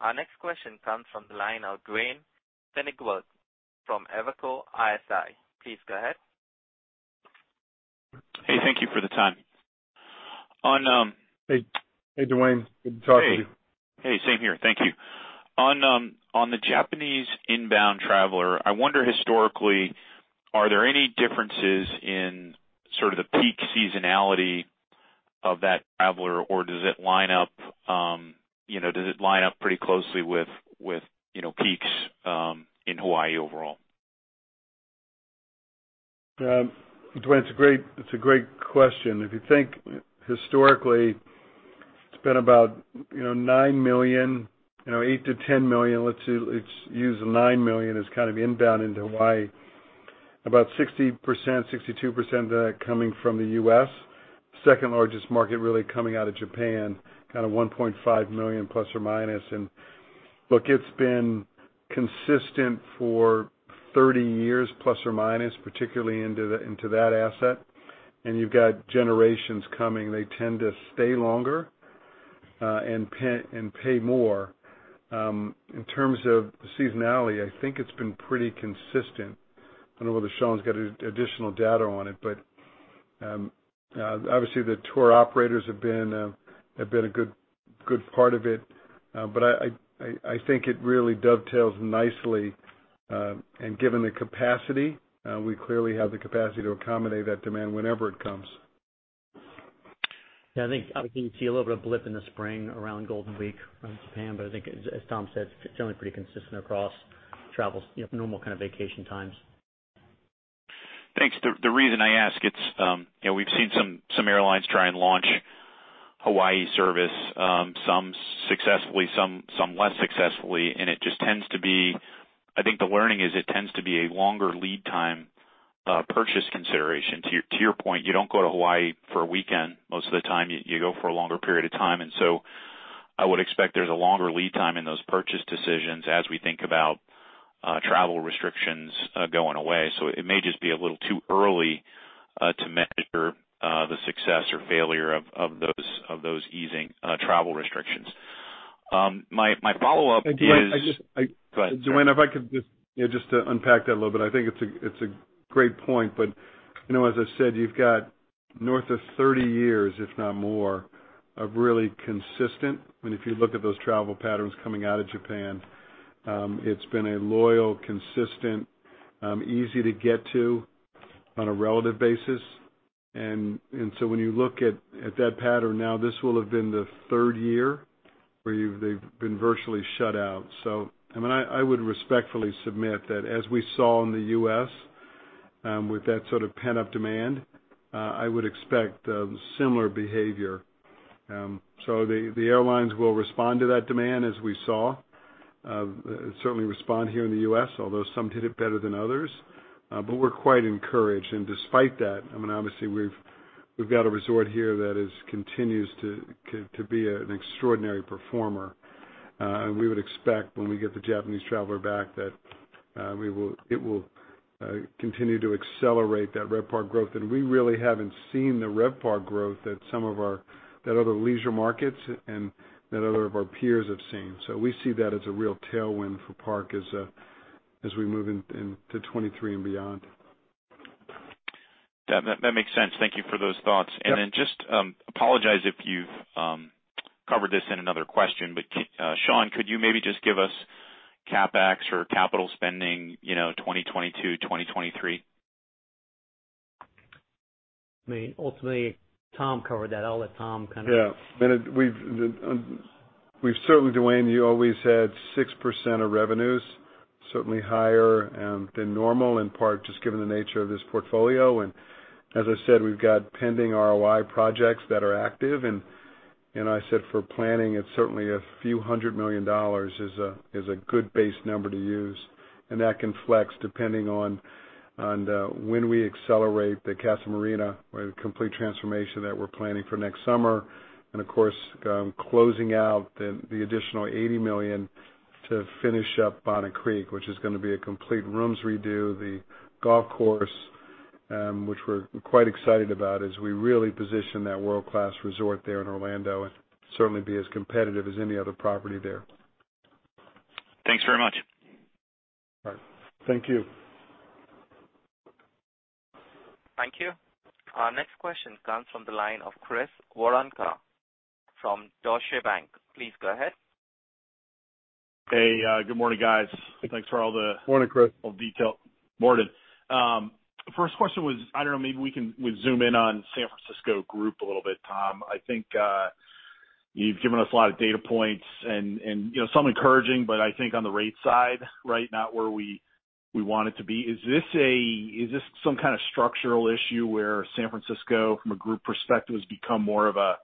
Our next question comes from the line of Duane Pfennigwerth from Evercore ISI. Please go ahead. Hey, thank you for the time. On Hey, hey, Duane. Good to talk with you. Hey. Hey, same here. Thank you. On the Japanese inbound traveler, I wonder historically, are there any differences in sort of the peak seasonality of that traveler, or does it line up pretty closely with, you know, peaks in Hawaii overall? Duane, it's a great question. If you think historically, it's been about, you know, 9 million, you know, 8 to 10 million, let's use 9 million as kind of inbound into Hawaii. About 60 to 62% of that coming from the US. Second largest market really coming out of Japan, kind of 1.5 million plus or minus. Look, it's been consistent for 30 years plus or minus, particularly into that asset. You've got generations coming, they tend to stay longer and pay more. In terms of the seasonality, I think it's been pretty consistent. I don't know whether Sean's got additional data on it, but obviously the tour operators have been a good part of it. I think it really dovetails nicely, and given the capacity, we clearly have the capacity to accommodate that demand whenever it comes. Yeah. I think, obviously you see a little bit of blip in the spring around Golden Week from Japan, but I think as Tom said, it's generally pretty consistent across travel, you know, normal kind of vacation times. Thanks. The reason I ask, it's, you know, we've seen some airlines try and launch Hawaii service, some successfully, some less successfully, and it just tends to be. I think the learning is it tends to be a longer lead time, purchase consideration. To your point, you don't go to Hawaii for a weekend most of the time, you go for a longer period of time. I would expect there's a longer lead time in those purchase decisions as we think about, travel restrictions, going away. It may just be a little too early, to measure, the success or failure of those easing, travel restrictions. My follow-up is- I just. Go ahead, sorry. Duane, if I could just, you know, just to unpack that a little bit. I think it's a great point. You know, as I said, you've got north of 30 years, if not more, of really consistent. I mean, if you look at those travel patterns coming out of Japan, it's been a loyal, consistent, easy to get to on a relative basis. When you look at that pattern now, this will have been the third year where they've been virtually shut out. I mean, I would respectfully submit that as we saw in the U.S., with that sort of pent-up demand, I would expect similar behavior. The airlines will respond to that demand as we saw, certainly respond here in the U.S., although some did it better than others. We're quite encouraged. Despite that, I mean, obviously we've got a resort here that continues to be an extraordinary performer. We would expect when we get the Japanese traveler back that it will continue to accelerate that RevPAR growth. We really haven't seen the RevPAR growth that other leisure markets and other of our peers have seen. We see that as a real tailwind for Park as we move in to 2023 and beyond. That makes sense. Thank you for those thoughts. Yeah. Just apologize if you've covered this in another question, but Sean, could you maybe just give us CapEx or capital spending, you know, 2022, 2023? I mean, ultimately, Tom covered that. I'll let Tom kind a Yeah. I mean, we've certainly, Duane, you always had 6% of revenues, certainly higher than normal, in part just given the nature of this portfolio. As I said, we've got pending ROI projects that are active. I said for planning, it's certainly a few $100 million is a good base number to use, and that can flex depending on when we accelerate the Casa Marina or the complete transformation that we're planning for next summer. Of course, closing out the additional $80 million to finish up Bonnet Creek, which is gonna be a complete rooms redo, the golf course, which we're quite excited about as we really position that world-class resort there in Orlando and certainly be as competitive as any other property there. Thanks very much. All right. Thank you. Thank you. Our next question comes from the line of Chris Woronka from Deutsche Bank. Please go ahead. Hey, good morning, guys. Thanks for all the. Morning, Chris. detail. Morning. First question was, I don't know, maybe we can zoom in on San Francisco group a little bit, Tom. I think, you've given us a lot of data points and, you know, some encouraging, but I think on the rate side, right now, where we want it to be. Is this some kind of structural issue where San Francisco, from a group perspective, has become more of a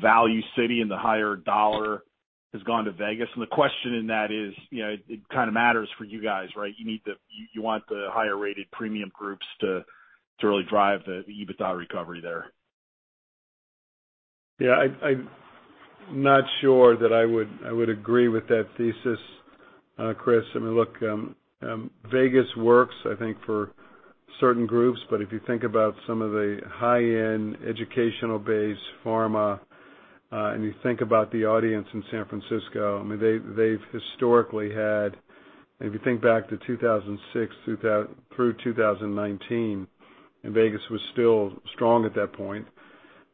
value city and the higher dollar has gone to Vegas? The question in that is, you know, it kind a matters for you guys, right? You want the higher-rated premium groups to really drive the EBITDA recovery there. Yeah, I'm not sure that I would agree with that thesis, Chris. I mean, look, Vegas works, I think, for certain groups, but if you think about some of the high-end educational base pharma, and you think about the audience in San Francisco, I mean, they've historically had. If you think back to 2006 through 2019, and Vegas was still strong at that point,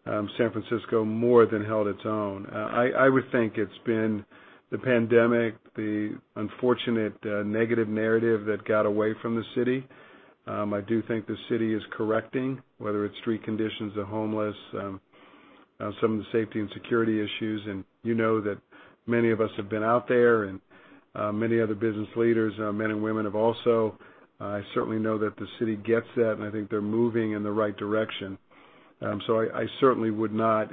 San Francisco more than held its own. I would think it's been the pandemic, the unfortunate negative narrative that got away from the city. I do think the city is correcting, whether it's street conditions or homeless, some of the safety and security issues. You know that many of us have been out there and many other business leaders, men and women have also. I certainly know that the city gets that, and I think they're moving in the right direction. I certainly would not.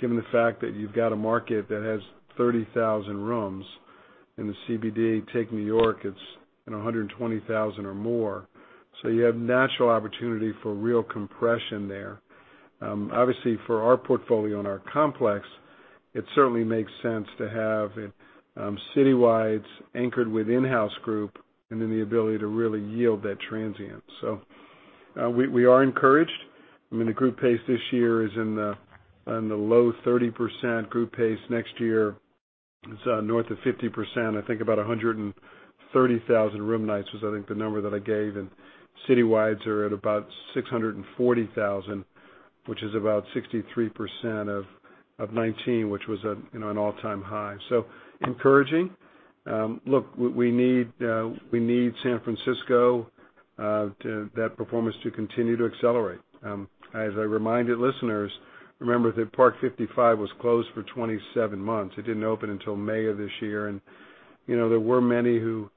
Given the fact that you've got a market that has 30,000 rooms in the CBD, take New York, it's, you know, 120,000 or more. You have natural opportunity for real compression there. Obviously, for our portfolio and our complex, it certainly makes sense to have citywide anchored with in-house group and then the ability to really yield that transient. We are encouraged. I mean, the group pace this year is in the low 30%. Group pace next year is north of 50%. I think about 130,000 room nights was, I think, the number that I gave, and citywides are at about 640,000, which is about 63% of 2019, which was, you know, an all-time high. Encouraging. Look, we need San Francisco that performance to continue to accelerate. As I reminded listeners, remember that Parc 55 was closed for 27 months. It didn't open until May of this year. You know, there were many who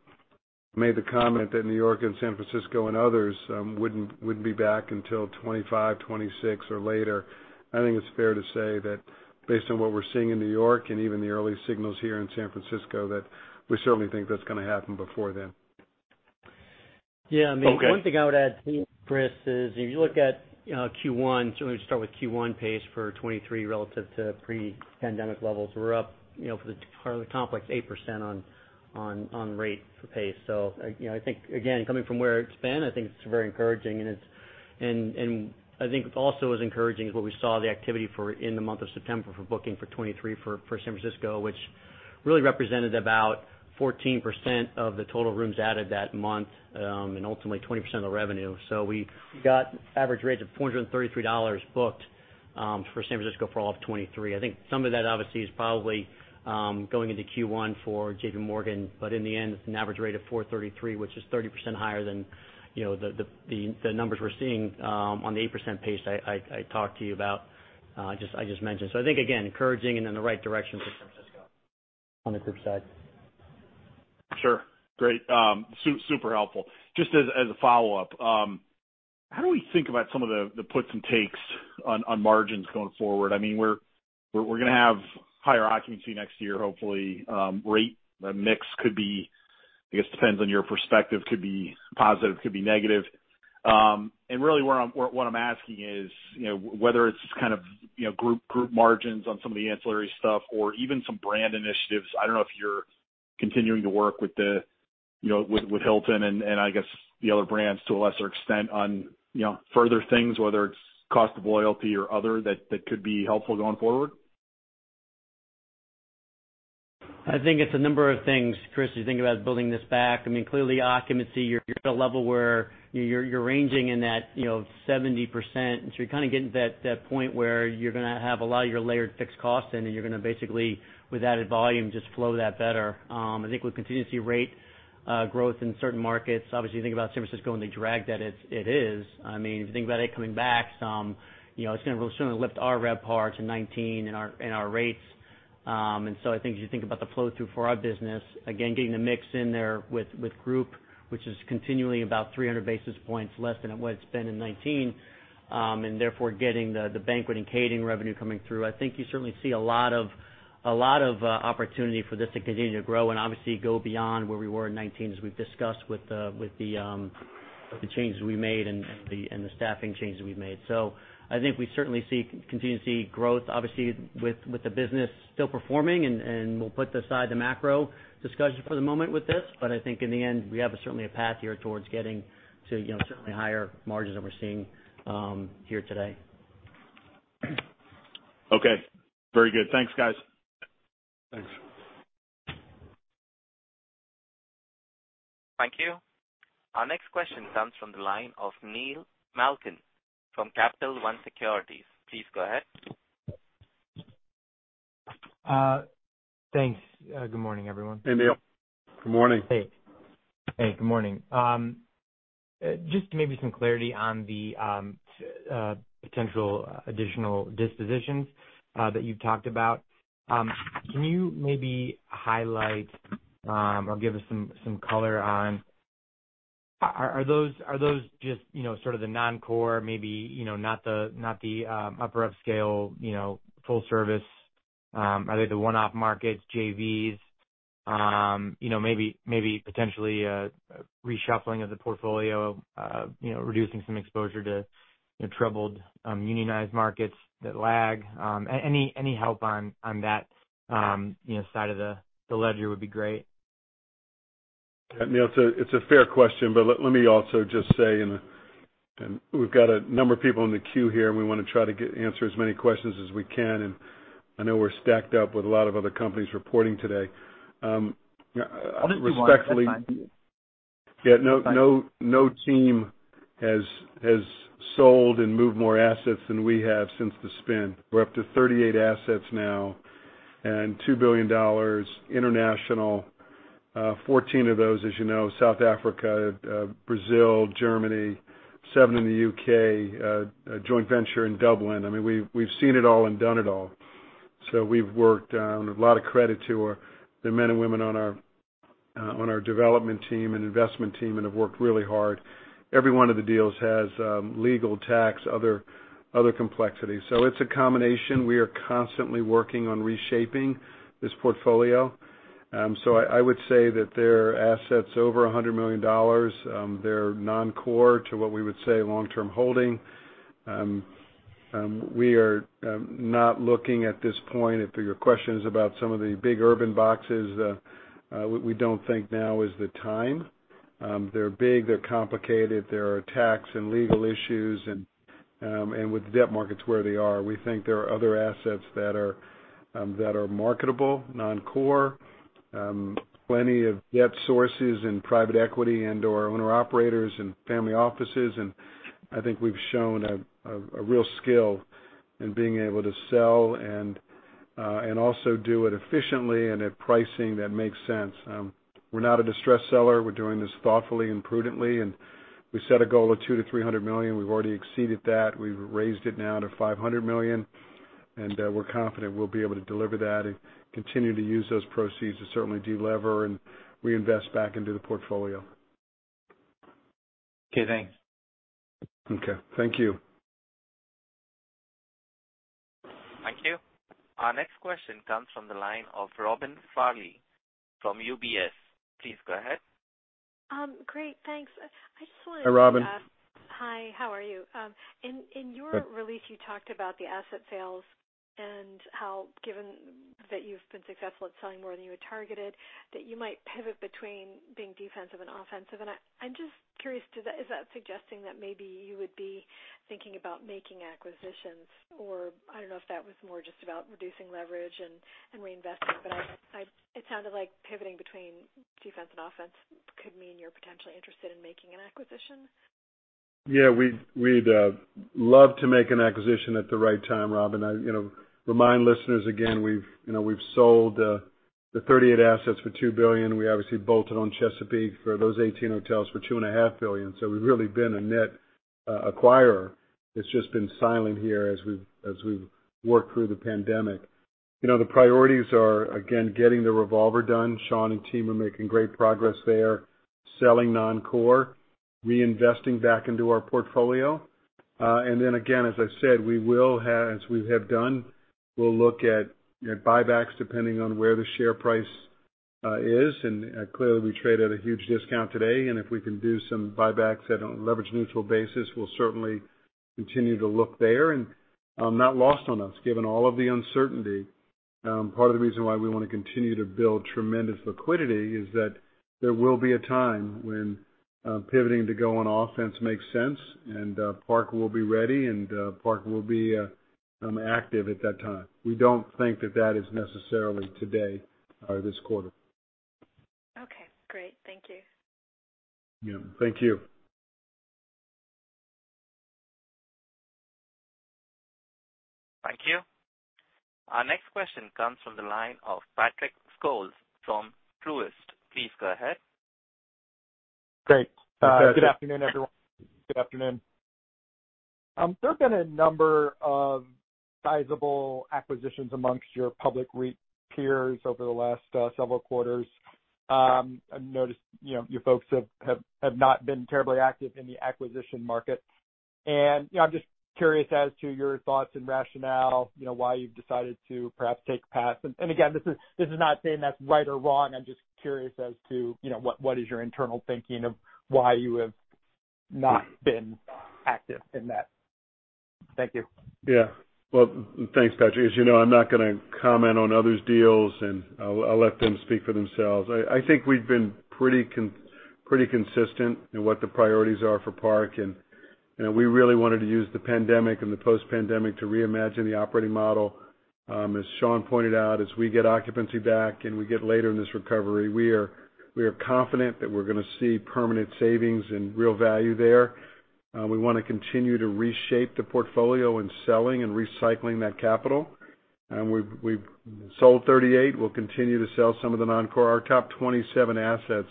made the comment that New York and San Francisco and others wouldn't be back until 2025, 2026 or later. I think it's fair to say that based on what we're seeing in New York and even the early signals here in San Francisco, that we certainly think that's gonna happen before then. Yeah. Okay. I mean, one thing I would add, Chris, is if you look at, you know, Q1. Let me start with Q1 pace for 2023 relative to pre-pandemic levels. We're up, you know, for the part of the complex, 8% on rate for pace. You know, I think, again, coming from where it's been, I think it's very encouraging. And I think also as encouraging is what we saw the activity for in the month of September for booking for 2023 for San Francisco, which really represented about 14% of the total rooms added that month, and ultimately 20% of the revenue. We got average rates of $433 booked for San Francisco for all of 2023. I think some of that obviously is probably going into Q1 for JP Morgan, but in the end, it's an average rate of $433, which is 30% higher than, you know, the numbers we're seeing on the 8% pace I talked to you about, I just mentioned. I think, again, encouraging and in the right direction for San Francisco on the group side. Sure. Great. Super helpful. Just as a follow-up, how do we think about some of the puts and takes on margins going forward? I mean, we're gonna have higher occupancy next year, hopefully. Rate, the mix could be, I guess, depends on your perspective, could be positive, could be negative. Really what I'm asking is, you know, whether it's kind of, you know, group margins on some of the ancillary stuff or even some brand initiatives. I don't know if you're continuing to work with the, you know, with Hilton and I guess the other brands to a lesser extent on, you know, further things, whether it's cost of loyalty or other that could be helpful going forward. I think it's a number of things, Chris, as you think about building this back. I mean, clearly occupancy, you're at a level where you're ranging in that, you know, 70%. You're kind a getting to that point where you're gonna have a lot of your layered fixed costs in and you're gonna basically, with added volume, just flow that better. I think we'll continue to see rate growth in certain markets. Obviously, you think about San Francisco and the drag that it is. I mean, if you think about it coming back some, you know, it's gonna really, certainly lift our RevPAR to $19 in our rates. I think as you think about the flow through for our business, again, getting the mix in there with group, which is continually about 300 basis points less than it would spend in 2019, and therefore getting the banquet and catering revenue coming through. I think you certainly see a lot of opportunity for this to continue to grow and obviously go beyond where we were in 2019, as we've discussed with the changes we made and the staffing changes we've made. I think we certainly continue to see growth, obviously with the business still performing, and we'll put aside the macro discussion for the moment with this. I think in the end, we have certainly a path here towards getting to, you know, certainly higher margins than we're seeing here today. Okay. Very good. Thanks, guys. Thanks. Thank you. Our next question comes from the line of Smedes Rose from Capital One Securities. Please go ahead. Thanks. Good morning, everyone. Hey, Neal. Good morning. Hey. Hey, good morning. Just maybe some clarity on the potential additional dispositions that you've talked about. Can you maybe highlight or give us some color on are those just, you know, sort of the non-core, maybe, you know, not the upper upscale, you know, full service? Are they the one-off markets, JVs? You know, maybe potentially a reshuffling of the portfolio, you know, reducing some exposure to, you know, troubled unionized markets that lag. Any help on that, you know, side of the ledger would be great. Yeah, Neal, it's a fair question, but let me also just say, and we've got a number of people in the queue here, and we wanna try to answer as many questions as we can. I know we're stacked up with a lot of other companies reporting today. Respectfully- I'll just do one. That's fine. Yeah. No team has sold and moved more assets than we have since the spin. We're up to 38 assets now and $2 billion international. Fourteen of those, as you know, South Africa, Brazil, Germany, seven in the UK, a joint venture in Dublin. I mean, we've seen it all and done it all. We've worked, and a lot of credit to our the men and women on our development team and investment team, and have worked really hard. Every one of the deals has legal tax, other complexities. It's a combination. We are constantly working on reshaping this portfolio. I would say that there are assets over $100 million, they're non-core to what we would say long-term holding. We are not looking at this point, if your question is about some of the big urban boxes, we don't think now is the time. They're big, they're complicated, there are tax and legal issues. With the debt markets where they are, we think there are other assets that are marketable, non-core, plenty of debt sources and private equity and/or owner operators and family offices. I think we've shown a real skill in being able to sell and also do it efficiently and at pricing that makes sense. We're not a distressed seller. We're doing this thoughtfully and prudently, and we set a goal of $200 to 300 million. We've already exceeded that. We've raised it now to $500 million, and we're confident we'll be able to deliver that and continue to use those proceeds to certainly delever and reinvest back into the portfolio. Okay, thanks. Okay, thank you. Thank you. Our next question comes from the line of Robin Farley from UBS. Please go ahead. Great, thanks. I just wanted to ask. Hi, Robin. Hi, how are you? In your Good. Release, you talked about the asset sales and how, given that you've been successful at selling more than you had targeted, that you might pivot between being defensive and offensive. I'm just curious, is that suggesting that maybe you would be thinking about making acquisitions, or I don't know if that was more just about reducing leverage and reinvesting. I, it sounded like pivoting between defense and offense could mean you're potentially interested in making an acquisition. Yeah, we'd love to make an acquisition at the right time, Robin. I you know remind listeners again, you know we've sold the 38 assets for $2 billion. We obviously bolted on Chesapeake for those 18 hotels for $2.5 billion. We've really been a net acquirer. It's just been silent here as we've worked through the pandemic. You know the priorities are again getting the revolver done. Sean and team are making great progress there, selling non-core, reinvesting back into our portfolio. Then again as I said we will have as we have done we'll look at you know buybacks depending on where the share price is. Clearly we trade at a huge discount today, and if we can do some buybacks at a leverage neutral basis, we'll certainly continue to look there. Not lost on us, given all of the uncertainty, part of the reason why we wanna continue to build tremendous liquidity is that there will be a time when pivoting to go on offense makes sense, and Park will be ready and active at that time. We don't think that is necessarily today or this quarter. Yeah. Thank you. Thank you. Our next question comes from the line of Patrick Scholes from Truist. Please go ahead. Great. Patrick. Good afternoon, everyone. Good afternoon. There have been a number of sizable acquisitions among your public REIT peers over the last several quarters. I've noticed, you know, you folks have not been terribly active in the acquisition market. You know, I'm just curious as to your thoughts and rationale, you know, why you've decided to perhaps take a pass. Again, this is not saying that's right or wrong. I'm just curious as to, you know, what is your internal thinking of why you have not been active in that. Thank you. Yeah. Well, thanks, Patrick. As you know, I'm not gonna comment on others' deals, and I'll let them speak for themselves. I think we've been pretty consistent in what the priorities are for Park, and, you know, we really wanted to use the pandemic and the post-pandemic to reimagine the operating model. As Sean pointed out, as we get occupancy back and we get later in this recovery, we are confident that we're gonna see permanent savings and real value there. We wanna continue to reshape the portfolio and selling and recycling that capital. We've sold 38. We'll continue to sell some of the non-core. Our top 27 assets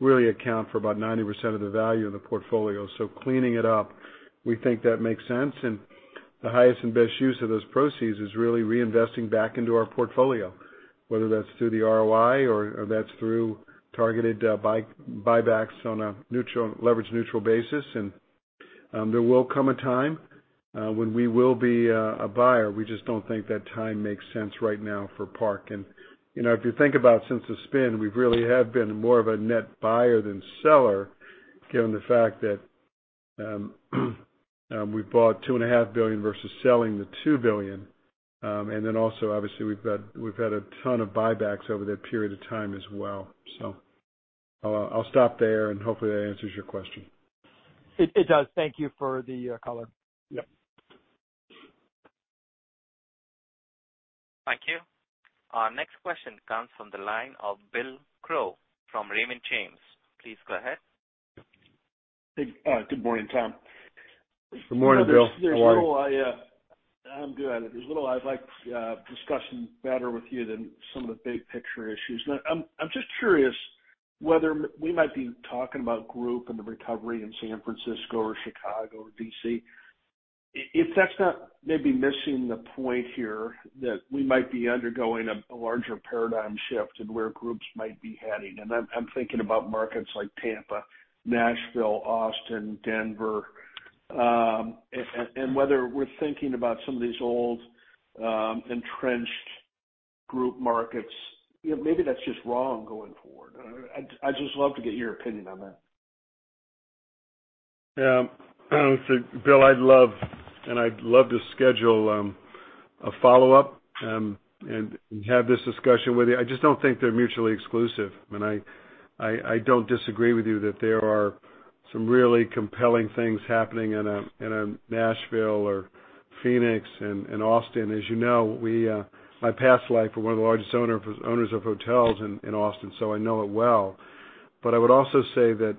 really account for about 90% of the value of the portfolio, so cleaning it up, we think that makes sense. The highest and best use of those proceeds is really reinvesting back into our portfolio, whether that's through the ROI or that's through targeted buybacks on a leverage neutral basis. There will come a time when we will be a buyer. We just don't think that time makes sense right now for Park. You know, if you think about since the spin, we really have been more of a net buyer than seller, given the fact that we've bought $2.5 billion versus selling the $2 billion. Then also obviously we've had a ton of buybacks over that period of time as well. I'll stop there and hopefully that answers your question. It does. Thank you for the color. Yep. Thank you. Our next question comes from the line of Bill Crow from Raymond James. Please go ahead. Good morning, Tom. Good morning, Bill. How are you? There's little I'd like discussing better with you than some of the big picture issues. Now I'm just curious whether we might be talking about group and the recovery in San Francisco or Chicago or D.C. If that's not maybe missing the point here that we might be undergoing a larger paradigm shift in where groups might be heading, and I'm thinking about markets like Tampa, Nashville, Austin, Denver, and whether we're thinking about some of these old entrenched group markets, you know, maybe that's just wrong going forward. I'd just love to get your opinion on that. Yeah. Bill, I'd love to schedule a follow-up and have this discussion with you. I just don't think they're mutually exclusive. I don't disagree with you that there are some really compelling things happening in a Nashville or Phoenix and Austin. As you know, my past life, we're one of the largest owners of hotels in Austin, so I know it well. I would also say that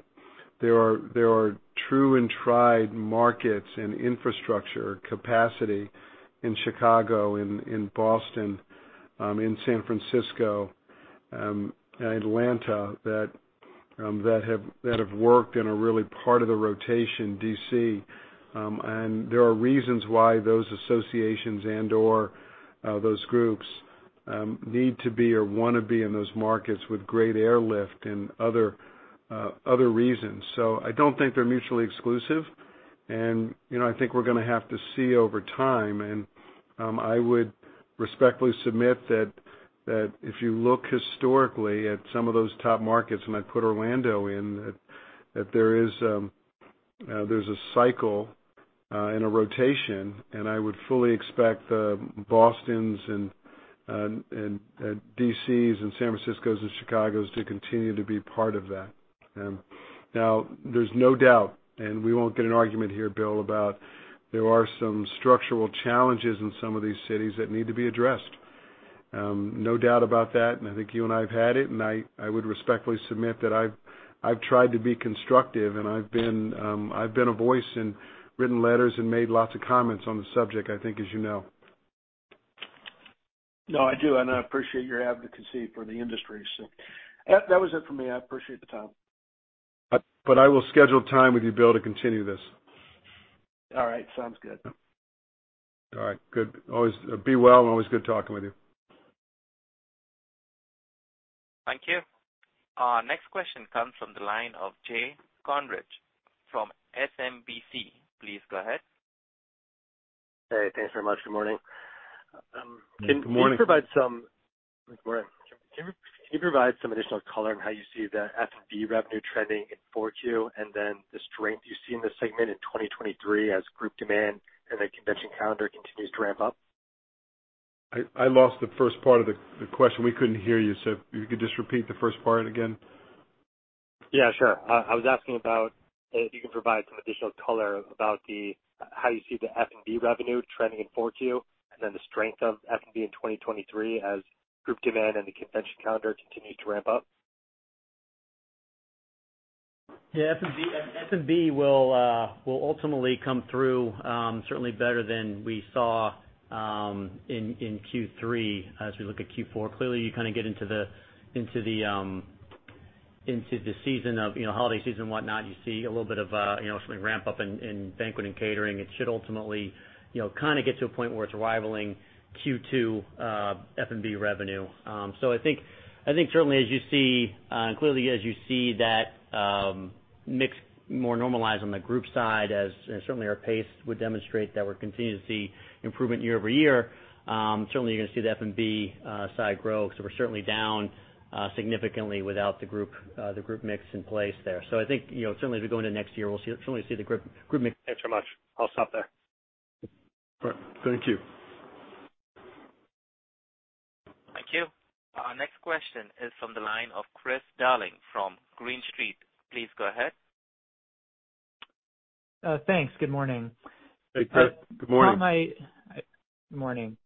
there are tried and true markets and infrastructure capacity in Chicago, in Boston, in San Francisco, and Atlanta that have worked and are really part of the rotation, D.C. There are reasons why those associations and/or those groups need to be or wanna be in those markets with great airlift and other reasons. I don't think they're mutually exclusive. You know, I think we're gonna have to see over time. I would respectfully submit that if you look historically at some of those top markets, and I'd put Orlando in, that there's a cycle and a rotation, and I would fully expect the Bostons and D.C.s and San Franciscos and Chicagos to continue to be part of that. Now there's no doubt, and we won't get an argument here, Bill, about there are some structural challenges in some of these cities that need to be addressed. No doubt about that, and I think you and I have had it, and I would respectfully submit that I've tried to be constructive, and I've been a voice and written letters and made lots of comments on the subject, I think as you know. No, I do, and I appreciate your advocacy for the industry. That was it for me. I appreciate the time. I will schedule time with you, Bill, to continue this. All right. Sounds good. All right. Good. Always be well, and always good talking with you. Thank you. Our next question comes from the line of Jay Kornreich from SMBC. Please go ahead. Hey, thanks very much. Good morning. Good morning. Good morning. Can you provide some additional color on how you see the F&B revenue trending in 4Q, and then the strength you see in this segment in 2023 as group demand and the convention calendar continues to ramp up? I lost the first part of the question. We couldn't hear you. If you could just repeat the first part again. Yeah, sure. I was asking about. If you can provide some additional color about how you see the F&B revenue trending in Q4 and then the strength of F&B in 2023 as group demand and the convention calendar continue to ramp up? Yeah, F&B will ultimately come through certainly better than we saw in Q3 as we look at Q4. Clearly, you kind of get into the season of you know holiday season whatnot. You see a little bit of you know something ramp up in banquet and catering. It should ultimately you know kind of get to a point where it's rivaling Q2 F&B revenue. I think certainly as you see clearly as you see that mix more normalized on the group side as certainly our pace would demonstrate that we're continuing to see improvement year-over-year certainly you're gonna see the F&B side grow. We're certainly down significantly without the group mix in place there. I think, you know, certainly as we go into next year, we'll see, certainly see the group mix. Thanks so much. I'll stop there. All right. Thank you. Thank you. Our next question is from the line of Chris Darling from Green Street. Please go ahead. Thanks. Good morning. Hey, Chris. Good morning. Morning,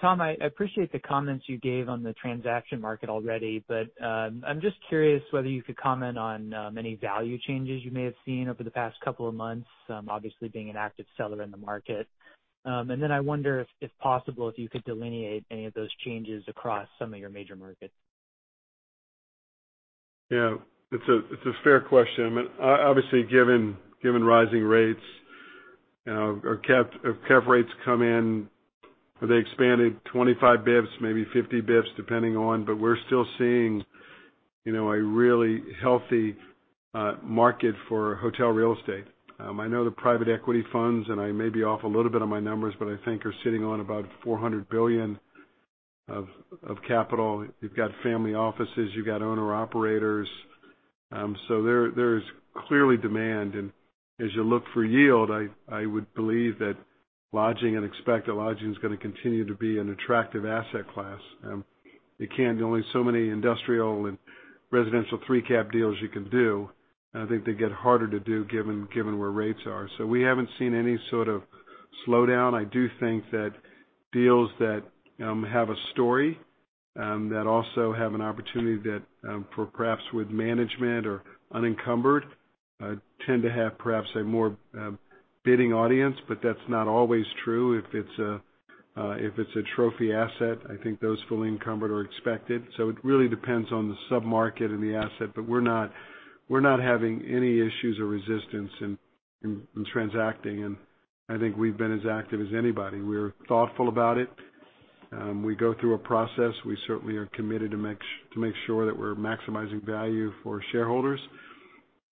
Tom. I appreciate the comments you gave on the transaction market already, but I'm just curious whether you could comment on any value changes you may have seen over the past couple of months, obviously being an active seller in the market. Then I wonder if possible you could delineate any of those changes across some of your major markets. Yeah. It's a fair question. I mean, obviously, given rising rates, you know, if cap rates come in or they expanded 25 basis points, maybe 50 basis points, depending on, but we're still seeing, you know, a really healthy market for hotel real estate. I know the private equity funds, and I may be off a little bit on my numbers, but I think are sitting on about $400 billion of capital. You've got family offices, you've got owner-operators. So there is clearly demand. As you look for yield, I would believe and expect that lodging is gonna continue to be an attractive asset class. There's only so many industrial and residential three cap deals you can do. I think they get harder to do given where rates are. We haven't seen any sort of slowdown. I do think that deals that have a story that also have an opportunity that for perhaps with management or unencumbered tend to have perhaps a more bidding audience, but that's not always true. If it's a trophy asset, I think those fully encumbered or expected. It really depends on the sub-market and the asset. We're not having any issues or resistance in transacting. I think we've been as active as anybody. We're thoughtful about it. We go through a process. We certainly are committed to make sure that we're maximizing value for shareholders,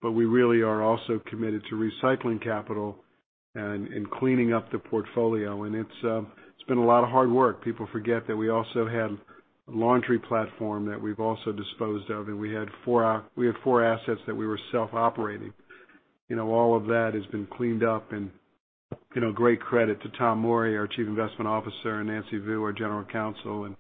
but we really are also committed to recycling capital and cleaning up the portfolio. It's been a lot of hard work. People forget that we also had a laundry platform that we've also disposed of, and we had four assets that we were self-operating. You know, all of that has been cleaned up and, you know, great credit to Thomas C. Morey, our Chief Investment Officer, and Nancy M. Vu, our General Counsel, and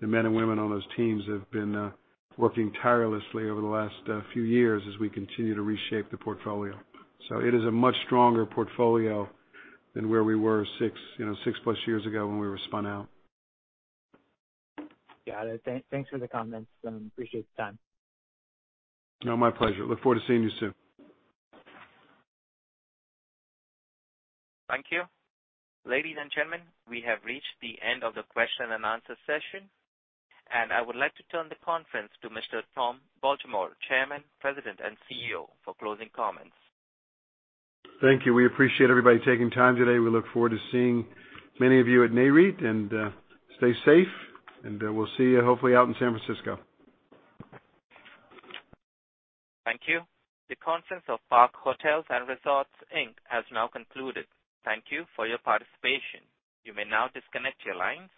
the men and women on those teams have been working tirelessly over the last few years as we continue to reshape the portfolio. It is a much stronger portfolio than where we were six, you know, six-plus years ago when we were spun out. Got it. Thanks for the comments, and appreciate the time. No, my pleasure. Look forward to seeing you soon. Thank you. Ladies and gentlemen, we have reached the end of the question-and-answer session, and I would like to turn the conference to Mr. Tom Baltimore, Chairman, President, and CEO, for closing comments. Thank you. We appreciate everybody taking time today. We look forward to seeing many of you at Nareit, and stay safe, and we'll see you hopefully out in San Francisco. Thank you. The conference of Park Hotels & Resorts Inc. has now concluded. Thank you for your participation. You may now disconnect your lines.